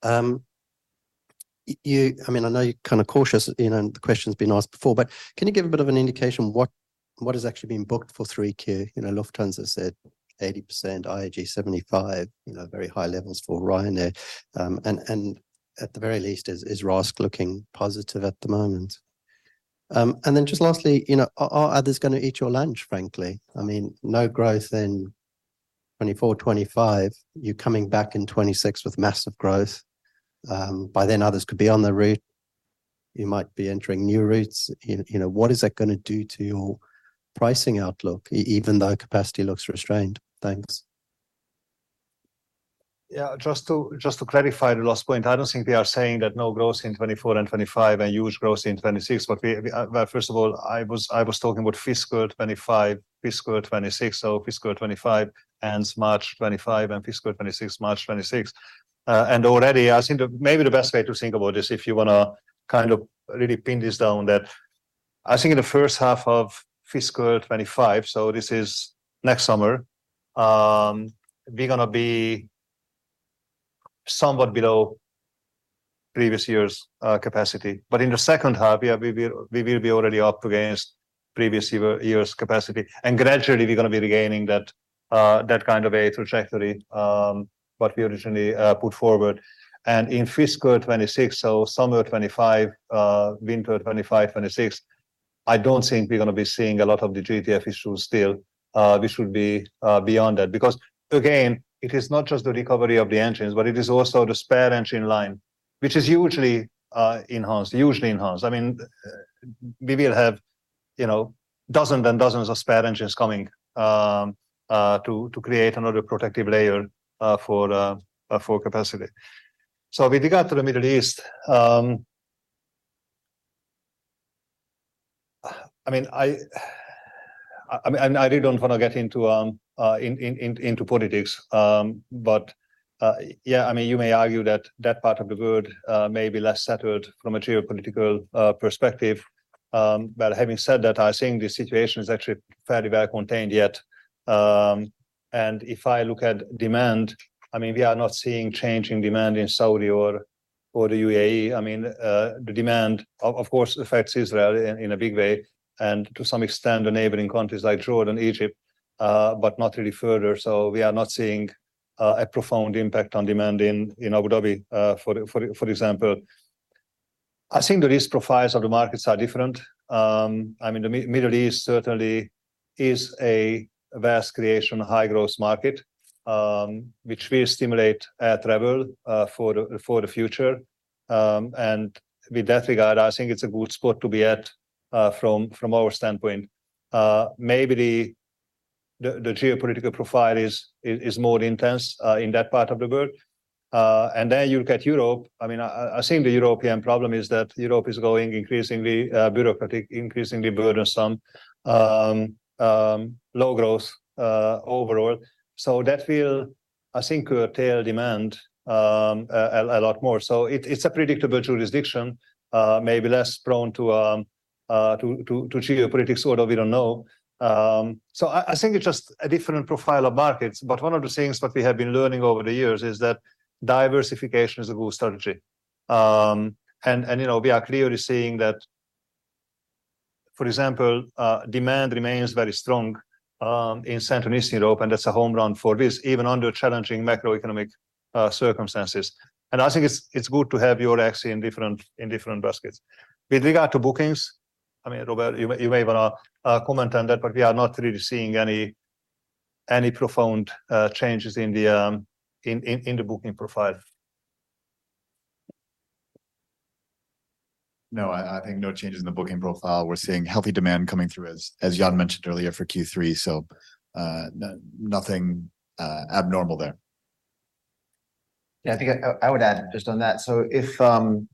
I mean, I know you're kind of cautious, you know, and the question's been asked before, but can you give a bit of an indication what is actually being booked for 3Q? You know, Lufthansa said 80%, IAG 75%, you know, very high levels for Ryanair. At the very least, is RASK looking positive at the moment? And then just lastly, you know, are others going to eat your lunch, frankly? I mean, no growth in 2024, 2025. You're coming back in 2026 with massive growth. By then, others could be on the route. You might be entering new routes. You know, what is that gonna do to your pricing outlook, even though capacity looks restrained? Thanks. Yeah, just to clarify the last point, I don't think we are saying that no growth in 2024 and 2025 and huge growth in 2026, but well, first of all, I was talking about fiscal 2025, fiscal 2026. So fiscal 2025 ends March 2025, and fiscal 2026, March 2026. And already, I think maybe the best way to think about this, if you wanna kind of really pin this down, that I think in the first half of fiscal 2025, so this is next summer, we're gonna be somewhat below previous years', capacity. But in the second half, yeah, we will be already up against previous years' capacity, and gradually, we're gonna be regaining that, that kind of a trajectory, what we originally put forward. In fiscal 2026, so summer of 2025, winter of 2025-26, I don't think we're gonna be seeing a lot of the GTF issues still. This would be beyond that, because, again, it is not just the recovery of the engines, but it is also the spare engine line, which is hugely enhanced, hugely enhanced. I mean, we will have, you know, dozens and dozens of spare engines coming to create another protective layer for capacity. So with regard to the Middle East. I mean, I really don't wanna get into politics, but yeah, I mean, you may argue that that part of the world may be less settled from a geopolitical perspective. But having said that, I think the situation is actually fairly well contained yet. And if I look at demand, I mean, we are not seeing change in demand in Saudi or the UAE. I mean, the demand, of course, affects Israel in a big way and to some extent, the neighboring countries like Jordan, Egypt, but not really further. So we are not seeing a profound impact on demand in Abu Dhabi, for example. I think the risk profiles of the markets are different. I mean, the Middle East certainly is a vast creation, high-growth market, which will stimulate air travel, for the future. And with that regard, I think it's a good spot to be at, from our standpoint. Maybe the geopolitical profile is more intense in that part of the world. And then you look at Europe, I mean, I think the European problem is that Europe is going increasingly bureaucratic, increasingly burdensome, low growth, overall. So that will, I think, tame demand a lot more. So it's a predictable jurisdiction, maybe less prone to geopolitics, although we don't know. So I think it's just a different profile of markets, but one of the things that we have been learning over the years is that diversification is a good strategy. You know, we are clearly seeing that, for example, demand remains very strong in Central and Eastern Europe, and that's a home run for this, even under challenging macroeconomic circumstances. And I think it's good to have your eggs in different baskets. With regard to bookings, I mean, Robert, you may wanna comment on that, but we are not really seeing any profound changes in the booking profile. No, I think no changes in the booking profile. We're seeing healthy demand coming through, as Ian mentioned earlier, for Q3, so, nothing abnormal there. Yeah, I think I would add just on that. So if, you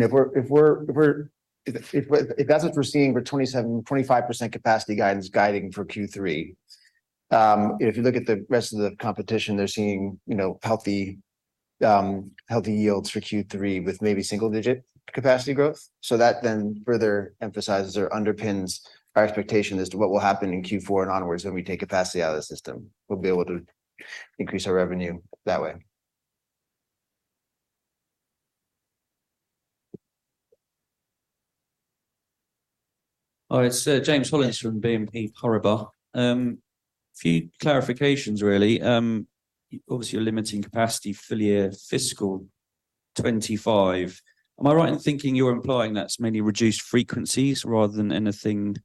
know, if that's what we're seeing for 27-25% capacity guidance for Q3, if you look at the rest of the competition, they're seeing, you know, healthy yields for Q3 with maybe single-digit capacity growth. So that then further emphasizes or underpins our expectation as to what will happen in Q4 and onwards when we take capacity out of the system. We'll be able to increase our revenue that way. Oh, it's James Hollins from BNP Paribas. A few clarifications, really. Obviously, you're limiting capacity full year fiscal 2025. Am I right in thinking you're implying that's mainly reduced frequencies rather than anything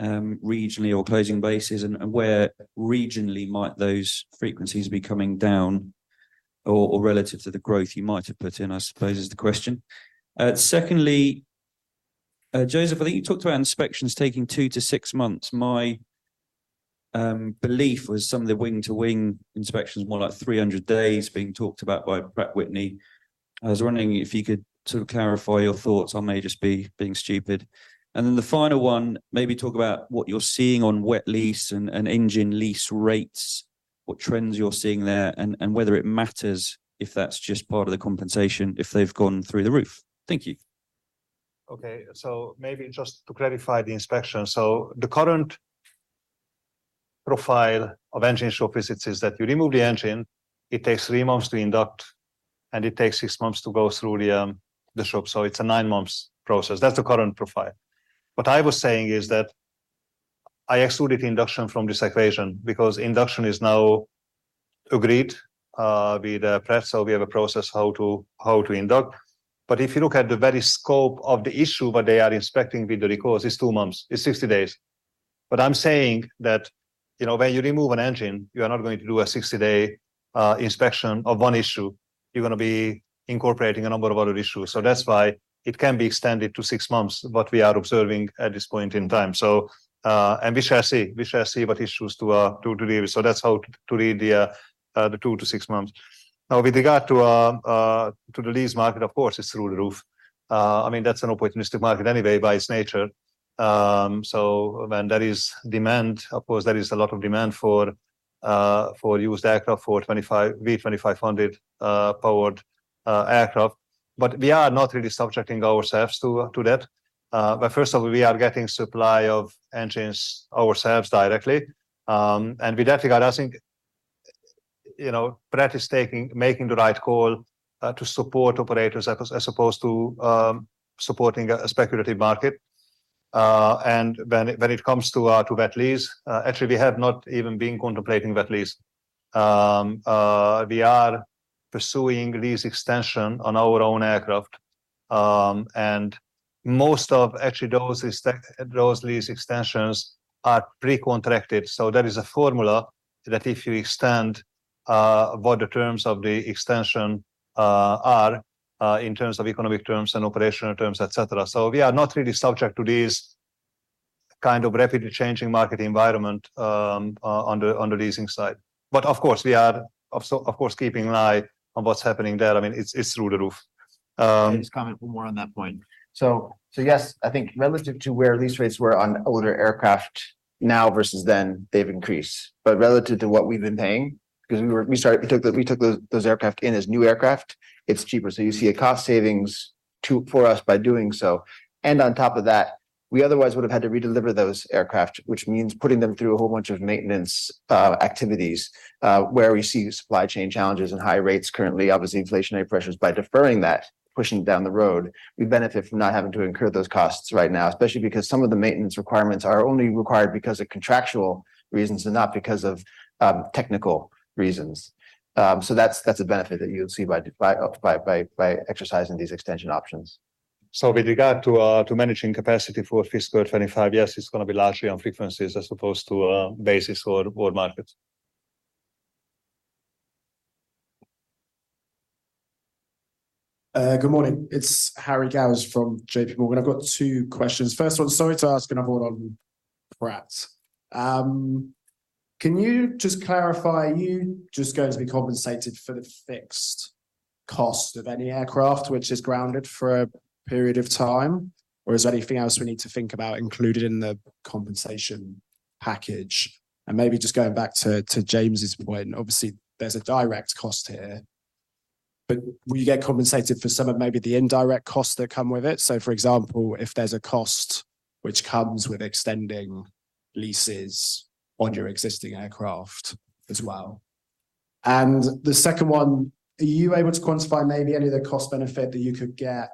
regionally or closing bases? And where regionally might those frequencies be coming down or relative to the growth you might have put in, I suppose, is the question. Secondly, József, I think you talked about inspections taking two to six months. My belief was some of the wing-to-wing inspection is more like 300 days being talked about by Pratt & Whitney. I was wondering if you could sort of clarify your thoughts. I may just be being stupid. And then the final one, maybe talk about what you're seeing on wet lease and engine lease rates, what trends you're seeing there, and whether it matters if that's just part of the compensation, if they've gone through the roof? Thank you. Okay. Maybe just to clarify the inspection. The current profile of engine shop visits is that you remove the engine, it takes three months to induct, and it takes six months to go through the shop. It's a nine month process. That's the current profile. What I was saying is that I excluded induction from this equation because induction is now agreed with the Pratt. We have a process how to, how to induct. But if you look at the very scope of the issue, what they are inspecting with the recourse, it's two months, it's 60 days. But I'm saying that, you know, when you remove an engine, you are not going to do a 60-day inspection of one issue. You're gonna be incorporating a number of other issues. So that's why it can be extended to six months, what we are observing at this point in time. So, and we shall see. We shall see what issues to deal with. So that's how to read the two to six months. Now, with regard to the lease market, of course, it's through the roof. I mean, that's an opportunistic market anyway by its nature. So when there is demand, of course, there is a lot of demand for used aircraft, for V2500 powered aircraft. But we are not really subjecting ourselves to that. But first of all, we are getting supply of engines ourselves directly. And in that regard, I think, you know, Pratt is making the right call to support operators as opposed to supporting a speculative market. And when it comes to wet lease, actually, we have not even been contemplating wet lease. We are pursuing this extension on our own aircraft, and most of actually those lease extensions are pre-contracted. So there is a formula that if you extend what the terms of the extension are in terms of economic terms and operational terms, et cetera. So we are not really subject to this kind of rapidly changing market environment on the leasing side. But of course, we are of course keeping an eye on what's happening there. I mean, it's through the roof. Just comment one more on that point. So yes, I think relative to where lease rates were on older aircraft now versus then, they've increased. But relative to what we've been paying, because we took those aircraft in as new aircraft, it's cheaper. So you see a cost savings for us by doing so. And on top of that, we otherwise would have had to redeliver those aircraft, which means putting them through a whole bunch of maintenance activities, where we see supply chain challenges and high rates currently, obviously, inflationary pressures. By deferring that, pushing down the road, we benefit from not having to incur those costs right now, especially because some of the maintenance requirements are only required because of contractual reasons and not because of technical reasons. That's a benefit that you'll see by exercising these extension options. So with regard to managing capacity for fiscal 2025, yes, it's gonna be largely on frequencies as opposed to bases or board markets. Good morning. It's Harry Gowers from JPMorgan. I've got two questions. First one, sorry to ask, and I vote on Pratt. Can you just clarify, you just going to be compensated for the fixed cost of any aircraft which is grounded for a period of time, or is there anything else we need to think about included in the compensation package? And maybe just going back to, to James' point, obviously, there's a direct cost here, but will you get compensated for some of maybe the indirect costs that come with it? So for example, if there's a cost which comes with extending leases on your existing aircraft as well. The second one, are you able to quantify maybe any of the cost benefit that you could get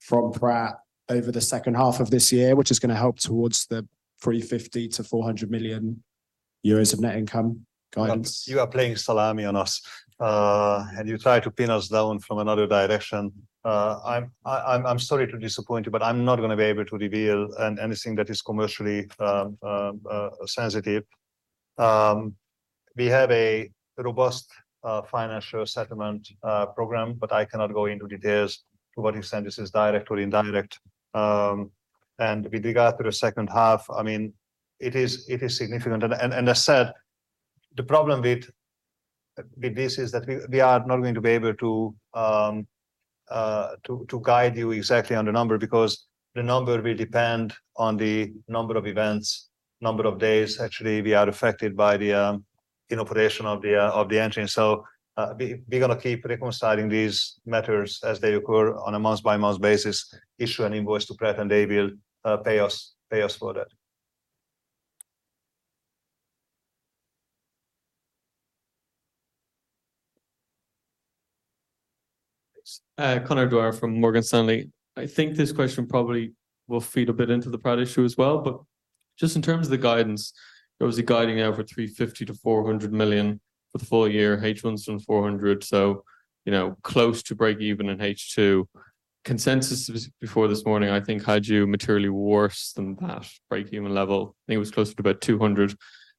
from Pratt over the second half of this year, which is gonna help towards the 50 million-400 million euros of net income guidance? You are playing salami on us, and you try to pin us down from another direction. I'm sorry to disappoint you, but I'm not gonna be able to reveal anything that is commercially sensitive. We have a robust financial settlement program, but I cannot go into details to what extent this is direct or indirect. And with regard to the second half, I mean it is significant. And as said, the problem with this is that we are not going to be able to guide you exactly on the number, because the number will depend on the number of events, number of days actually we are affected by the inoperation of the engine. We're gonna keep reconciling these matters as they occur on a month-by-month basis, issue an invoice to Pratt, and they will pay us, pay us for that. Conor Dwyer from Morgan Stanley. I think this question probably will feed a bit into the Pratt issue as well, but just in terms of the guidance, there was a guiding out for 350 million-400 million for the full year, H1 is 400, so you know, close to breakeven in H2. Consensus was before this morning, I think, had you materially worse than that breakeven level. I think it was closer to about 200,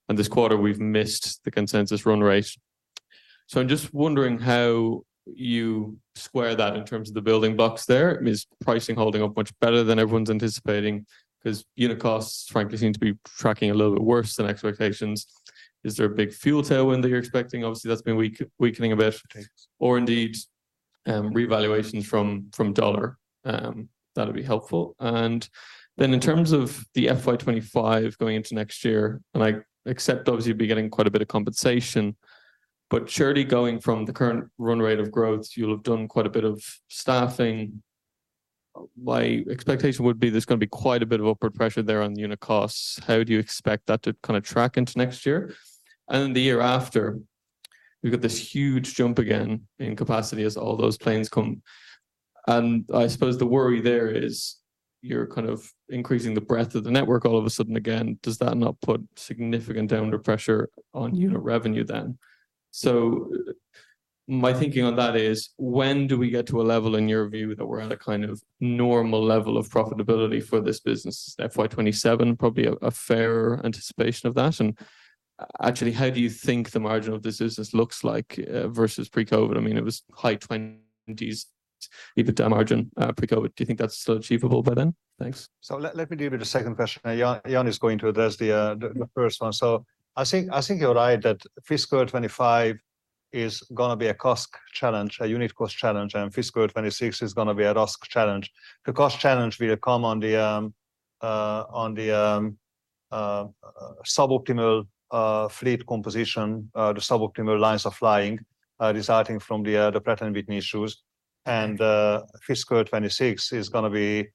and this quarter we've missed the consensus run rate. So I'm just wondering how you square that in terms of the building blocks there. Is pricing holding up much better than everyone's anticipating? 'Cause unit costs, frankly, seem to be tracking a little bit worse than expectations. Is there a big fuel tailwind that you're expecting? Obviously, that's been weakening a bit, or indeed, revaluations from the dollar? That'll be helpful. And then in terms of the FY 2025 going into next year, and I accept obviously you'll be getting quite a bit of compensation, but surely going from the current run rate of growth, you'll have done quite a bit of staffing. My expectation would be there's gonna be quite a bit of upward pressure there on unit costs. How do you expect that to kind of track into next year? And the year after, we've got this huge jump again in capacity as all those planes come. And I suppose the worry there is you're kind of increasing the breadth of the network all of a sudden again. Does that not put significant downward pressure on unit revenue then? So my thinking on that is, when do we get to a level, in your view, that we're at a kind of normal level of profitability for this business? FY 2027, probably a fair anticipation of that. And actually, how do you think the margin of this business looks like versus pre-COVID? I mean, it was high 20s EBITDA margin pre-COVID. Do you think that's still achievable by then? Thanks. So let me deal with the second question. Ian is going to address the first one. So I think you're right that fiscal 2025 is gonna be a CASK challenge, a unit cost challenge, and fiscal 2026 is gonna be a RASK challenge. The cost challenge will come on the suboptimal fleet composition, the suboptimal lines of flying, resulting from the Pratt & Whitney issues. And fiscal 2026 is gonna be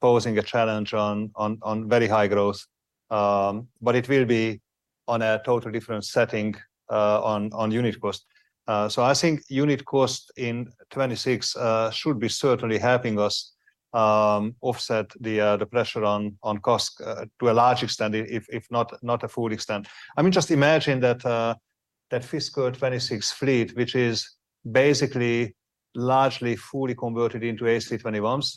posing a challenge on very high growth, but it will be on a total different setting, on unit cost. So I think unit cost in 26 should be certainly helping us offset the pressure on CASK to a large extent, if not a full extent. I mean, just imagine that fiscal 2026 fleet, which is basically largely fully converted into A321s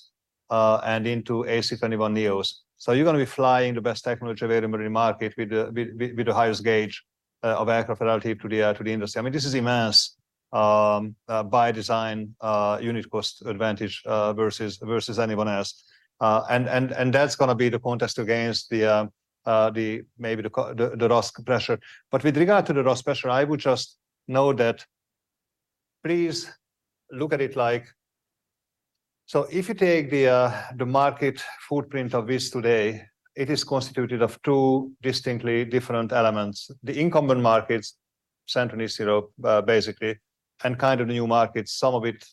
and into A321neos. So you're gonna be flying the best technology available in the market with the highest gauge of aircraft relative to the industry. I mean, this is immense by design unit cost advantage versus anyone else. And that's gonna be the contest against the maybe the cost, the RASK pressure. But with regard to the RASK pressure, I would just note that please look at it like. So if you take the market footprint of Wizz today, it is constituted of two distinctly different elements: the incumbent markets, Central and Eastern Europe, basically, and kind of new markets. Some of it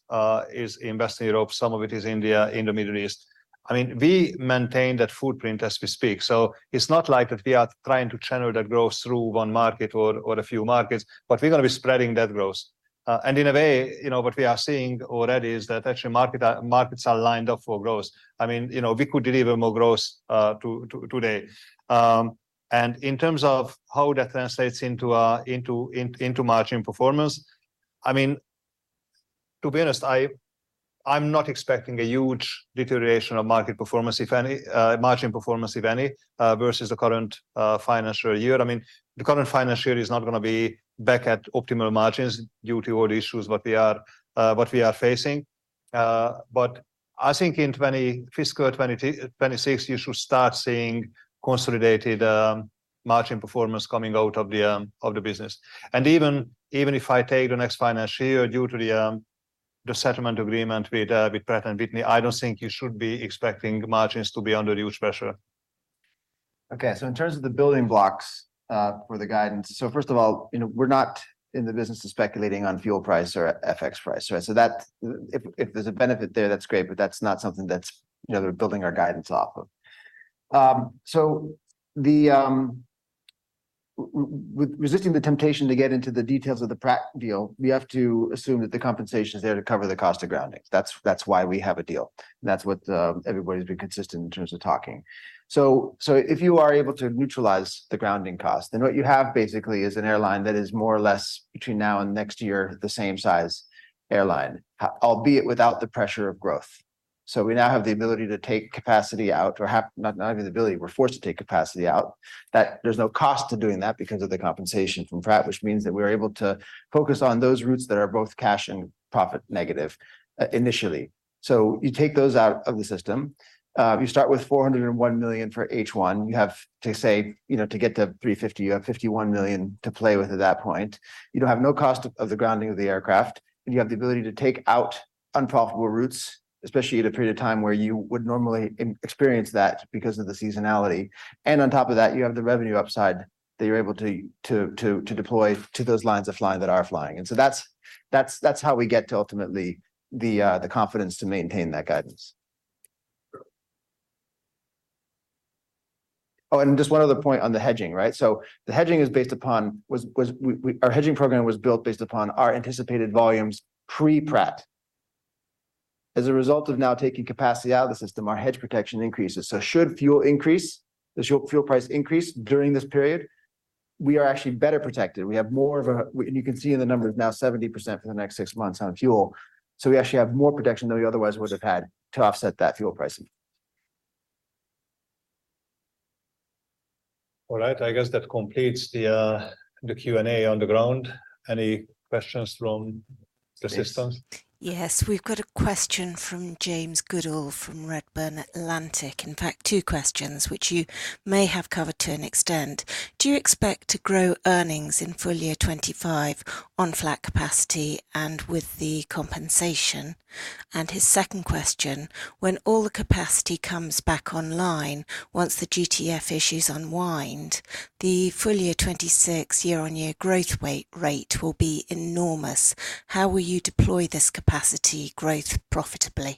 is in Western Europe, some of it is in India, in the Middle East. I mean, we maintain that footprint as we speak, so it's not like that we are trying to channel that growth through one market or a few markets, but we're gonna be spreading that growth. In a way, you know, what we are seeing already is that actually markets are lined up for growth. I mean, you know, we could deliver more growth to today. In terms of how that translates into margin performance, I mean, to be honest, I'm not expecting a huge deterioration of margin performance, if any, versus the current financial year. I mean, the current financial year is not gonna be back at optimal margins due to all the issues what we are facing. But I think in fiscal 2026, you should start seeing consolidated margin performance coming out of the business. And even if I take the next financial year, due to the settlement agreement with Pratt & Whitney, I don't think you should be expecting margins to be under huge pressure. Okay, so in terms of the building blocks, for the guidance, so first of all, you know, we're not in the business of speculating on fuel price or FX price, right? So that's if there's a benefit there, that's great, but that's not something that's, you know, we're building our guidance off of. With resisting the temptation to get into the details of the Pratt deal, we have to assume that the compensation is there to cover the cost of grounding. That's why we have a deal, and that's what everybody's been consistent in terms of talking. So if you are able to neutralize the grounding cost, then what you have basically is an airline that is more or less, between now and next year, the same size airline, albeit without the pressure of growth. So we now have the ability to take capacity out or have, not, not have the ability, we're forced to take capacity out, that there's no cost to doing that because of the compensation from Pratt, which means that we're able to focus on those routes that are both cash and profit negative, initially. So you take those out of the system. You start with 401 million for H1. You have to say, you know, to get to 350, you have 51 million to play with at that point. You don't have no cost of the grounding of the aircraft, and you have the ability to take out unprofitable routes, especially at a period of time where you would normally experience that because of the seasonality. On top of that, you have the revenue upside that you're able to deploy to those lines of flying that are flying. So that's how we get to ultimately the confidence to maintain that guidance. Oh, and just one other point on the hedging, right? So the hedging is based upon our hedging program was built based upon our anticipated volumes pre-Pratt. As a result of now taking capacity out of the system, our hedge protection increases. So should fuel price increase during this period, we are actually better protected. We have more of a And you can see in the numbers now 70% for the next six months on fuel. So we actually have more protection than we otherwise would have had to offset that fuel pricing. All right. I guess that completes the Q&A on the ground. Any questions from the systems? Yes, we've got a question from James Goodall from Redburn Atlantic. In fact, two questions which you may have covered to an extent: Do you expect to grow earnings in full year 2025 on flat capacity and with the compensation? And his second question: When all the capacity comes back online, once the GTF issues unwind, the full year 2026 year-on-year growth rate will be enormous. How will you deploy this capacity growth profitably?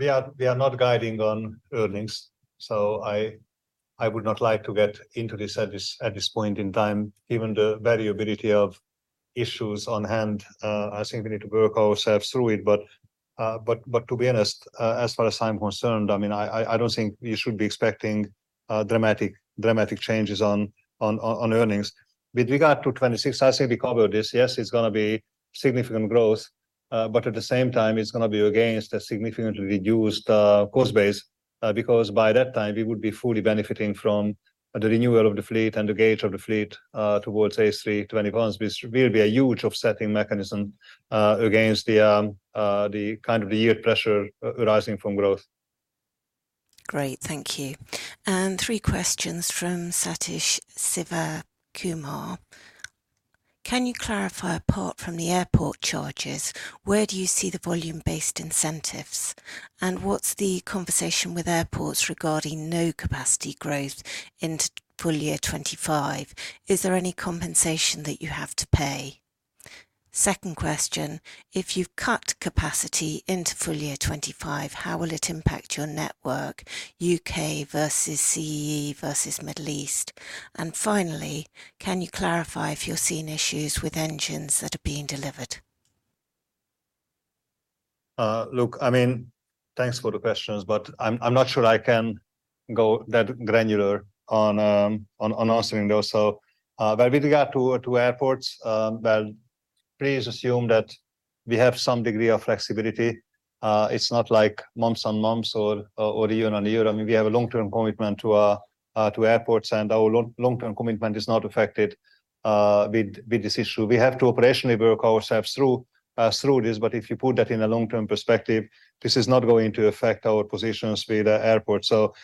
We are not guiding on earnings, so I would not like to get into this at this point in time, given the variability of issues on hand. I think we need to work ourselves through it. But to be honest, as far as I'm concerned, I mean, I don't think you should be expecting dramatic changes on earnings. With regard to 2026, I think we covered this. Yes, it's gonna be significant growth, but at the same time, it's gonna be against a significantly reduced cost base, because by that time, we would be fully benefiting from the renewal of the fleet and the gauge of the fleet towards A321s, which will be a huge offsetting mechanism against the kind of the yield pressure arising from growth. Great, thank you. And three questions from Sathish Sivakumar: Can you clarify, apart from the airport charges, where do you see the volume-based incentives? And what's the conversation with airports regarding no capacity growth into full year 2025? Is there any compensation that you have to pay? Second question: If you've cut capacity into full year 2025, how will it impact your network, UK versus CEE versus Middle East? And finally, can you clarify if you're seeing issues with engines that are being delivered? Look, I mean, thanks for the questions, but I'm not sure I can go that granular on answering those. So, but with regard to airports, well, please assume that we have some degree of flexibility. It's not like months on months or year on year. I mean, we have a long-term commitment to airports, and our long-term commitment is not affected with this issue. We have to operationally work ourselves through this, but if you put that in a long-term perspective, this is not going to affect our positions with the airport. So,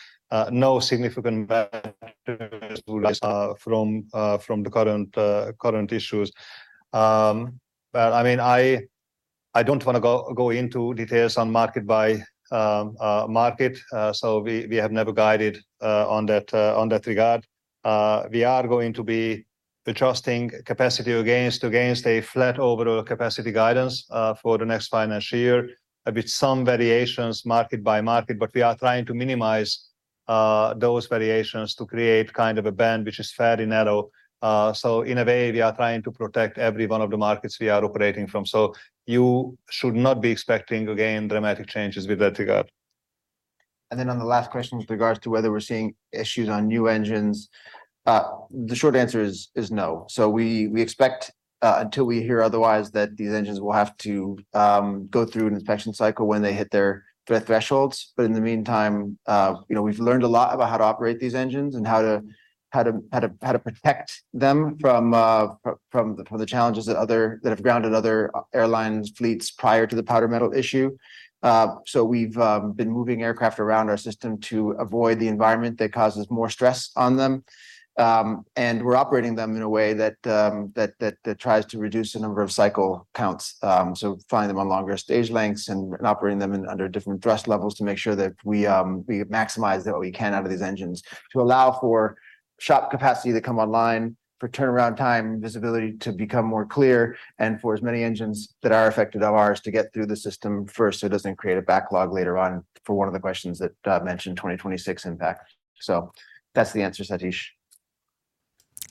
no significant from the current issues. But I mean, I don't wanna go into details on market by market, so we have never guided on that regard. We are going to be adjusting capacity against a flat overall capacity guidance for the next financial year, with some variations market by market, but we are trying to minimize those variations to create kind of a band which is fairly narrow. So in a way, we are trying to protect every one of the markets we are operating from. So you should not be expecting, again, dramatic changes with that regard. And then on the last question, with regards to whether we're seeing issues on new engines, the short answer is no. So we expect, until we hear otherwise, that these engines will have to go through an inspection cycle when they hit their threat thresholds. But in the meantime, you know, we've learned a lot about how to operate these engines and how to protect them from the challenges that have grounded other airlines' fleets prior to the Powder Metal issue. So we've been moving aircraft around our system to avoid the environment that causes more stress on them. And we're operating them in a way that tries to reduce the number of cycle counts. So flying them on longer stage lengths and, and operating them in under different thrust levels to make sure that we, we maximize what we can out of these engines to allow for shop capacity to come online, for turnaround time, visibility to become more clear, and for as many engines that are affected of ours to get through the system first, so it doesn't create a backlog later on for one of the questions that mentioned 2026 impact. So that's the answer, Satish.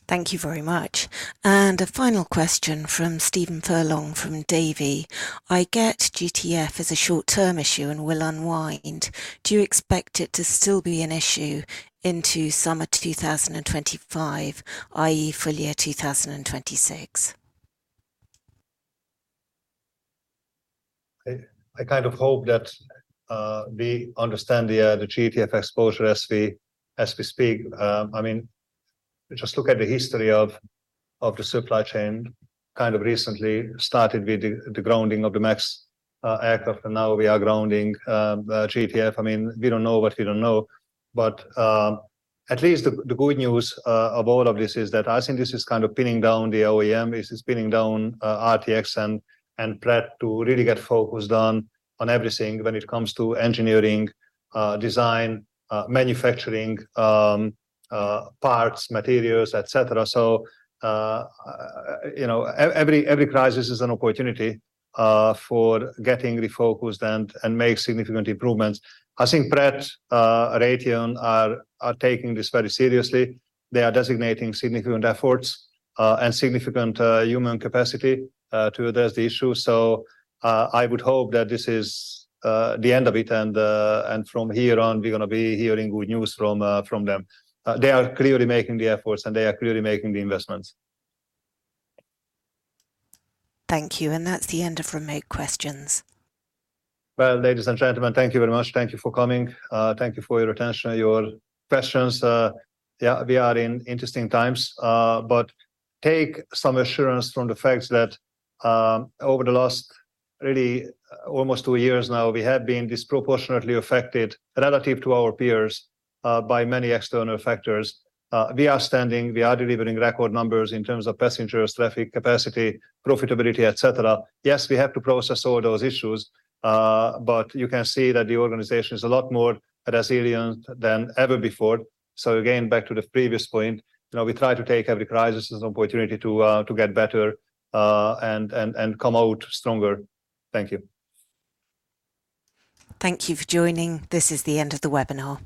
Thank you very much. And a final question from Stephen Furlong from Davy: I get GTF is a short-term issue and will unwind. Do you expect it to still be an issue into summer 2025, i.e., full year 2026? I kind of hope that we understand the GTF exposure as we speak. I mean, just look at the history of the supply chain, kind of recently started with the grounding of the MAX aircraft, and now we are grounding GTF. I mean, we don't know what we don't know. But at least the good news of all of this is that I think this is kind of pinning down the OEM, this is pinning down RTX and Pratt to really get focused on everything when it comes to engineering, design, manufacturing, parts, materials, et cetera. So you know, every crisis is an opportunity for getting refocused and make significant improvements. I think Pratt Raytheon are taking this very seriously. They are designating significant efforts and significant human capacity to address the issue. So, I would hope that this is the end of it, and from here on, we're gonna be hearing good news from them. They are clearly making the efforts, and they are clearly making the investments. Thank you, and that's the end of remote questions. Well, ladies and gentlemen, thank you very much. Thank you for coming. Thank you for your attention and your questions. Yeah, we are in interesting times, but take some assurance from the fact that, over the last really, almost two years now, we have been disproportionately affected relative to our peers, by many external factors. We are standing, we are delivering record numbers in terms of passengers, traffic, capacity, profitability, et cetera. Yes, we have to process all those issues, but you can see that the organization is a lot more resilient than ever before. So again, back to the previous point, you know, we try to take every crisis as an opportunity to, to get better, and come out stronger. Thank you. Thank you for joining. This is the end of the webinar.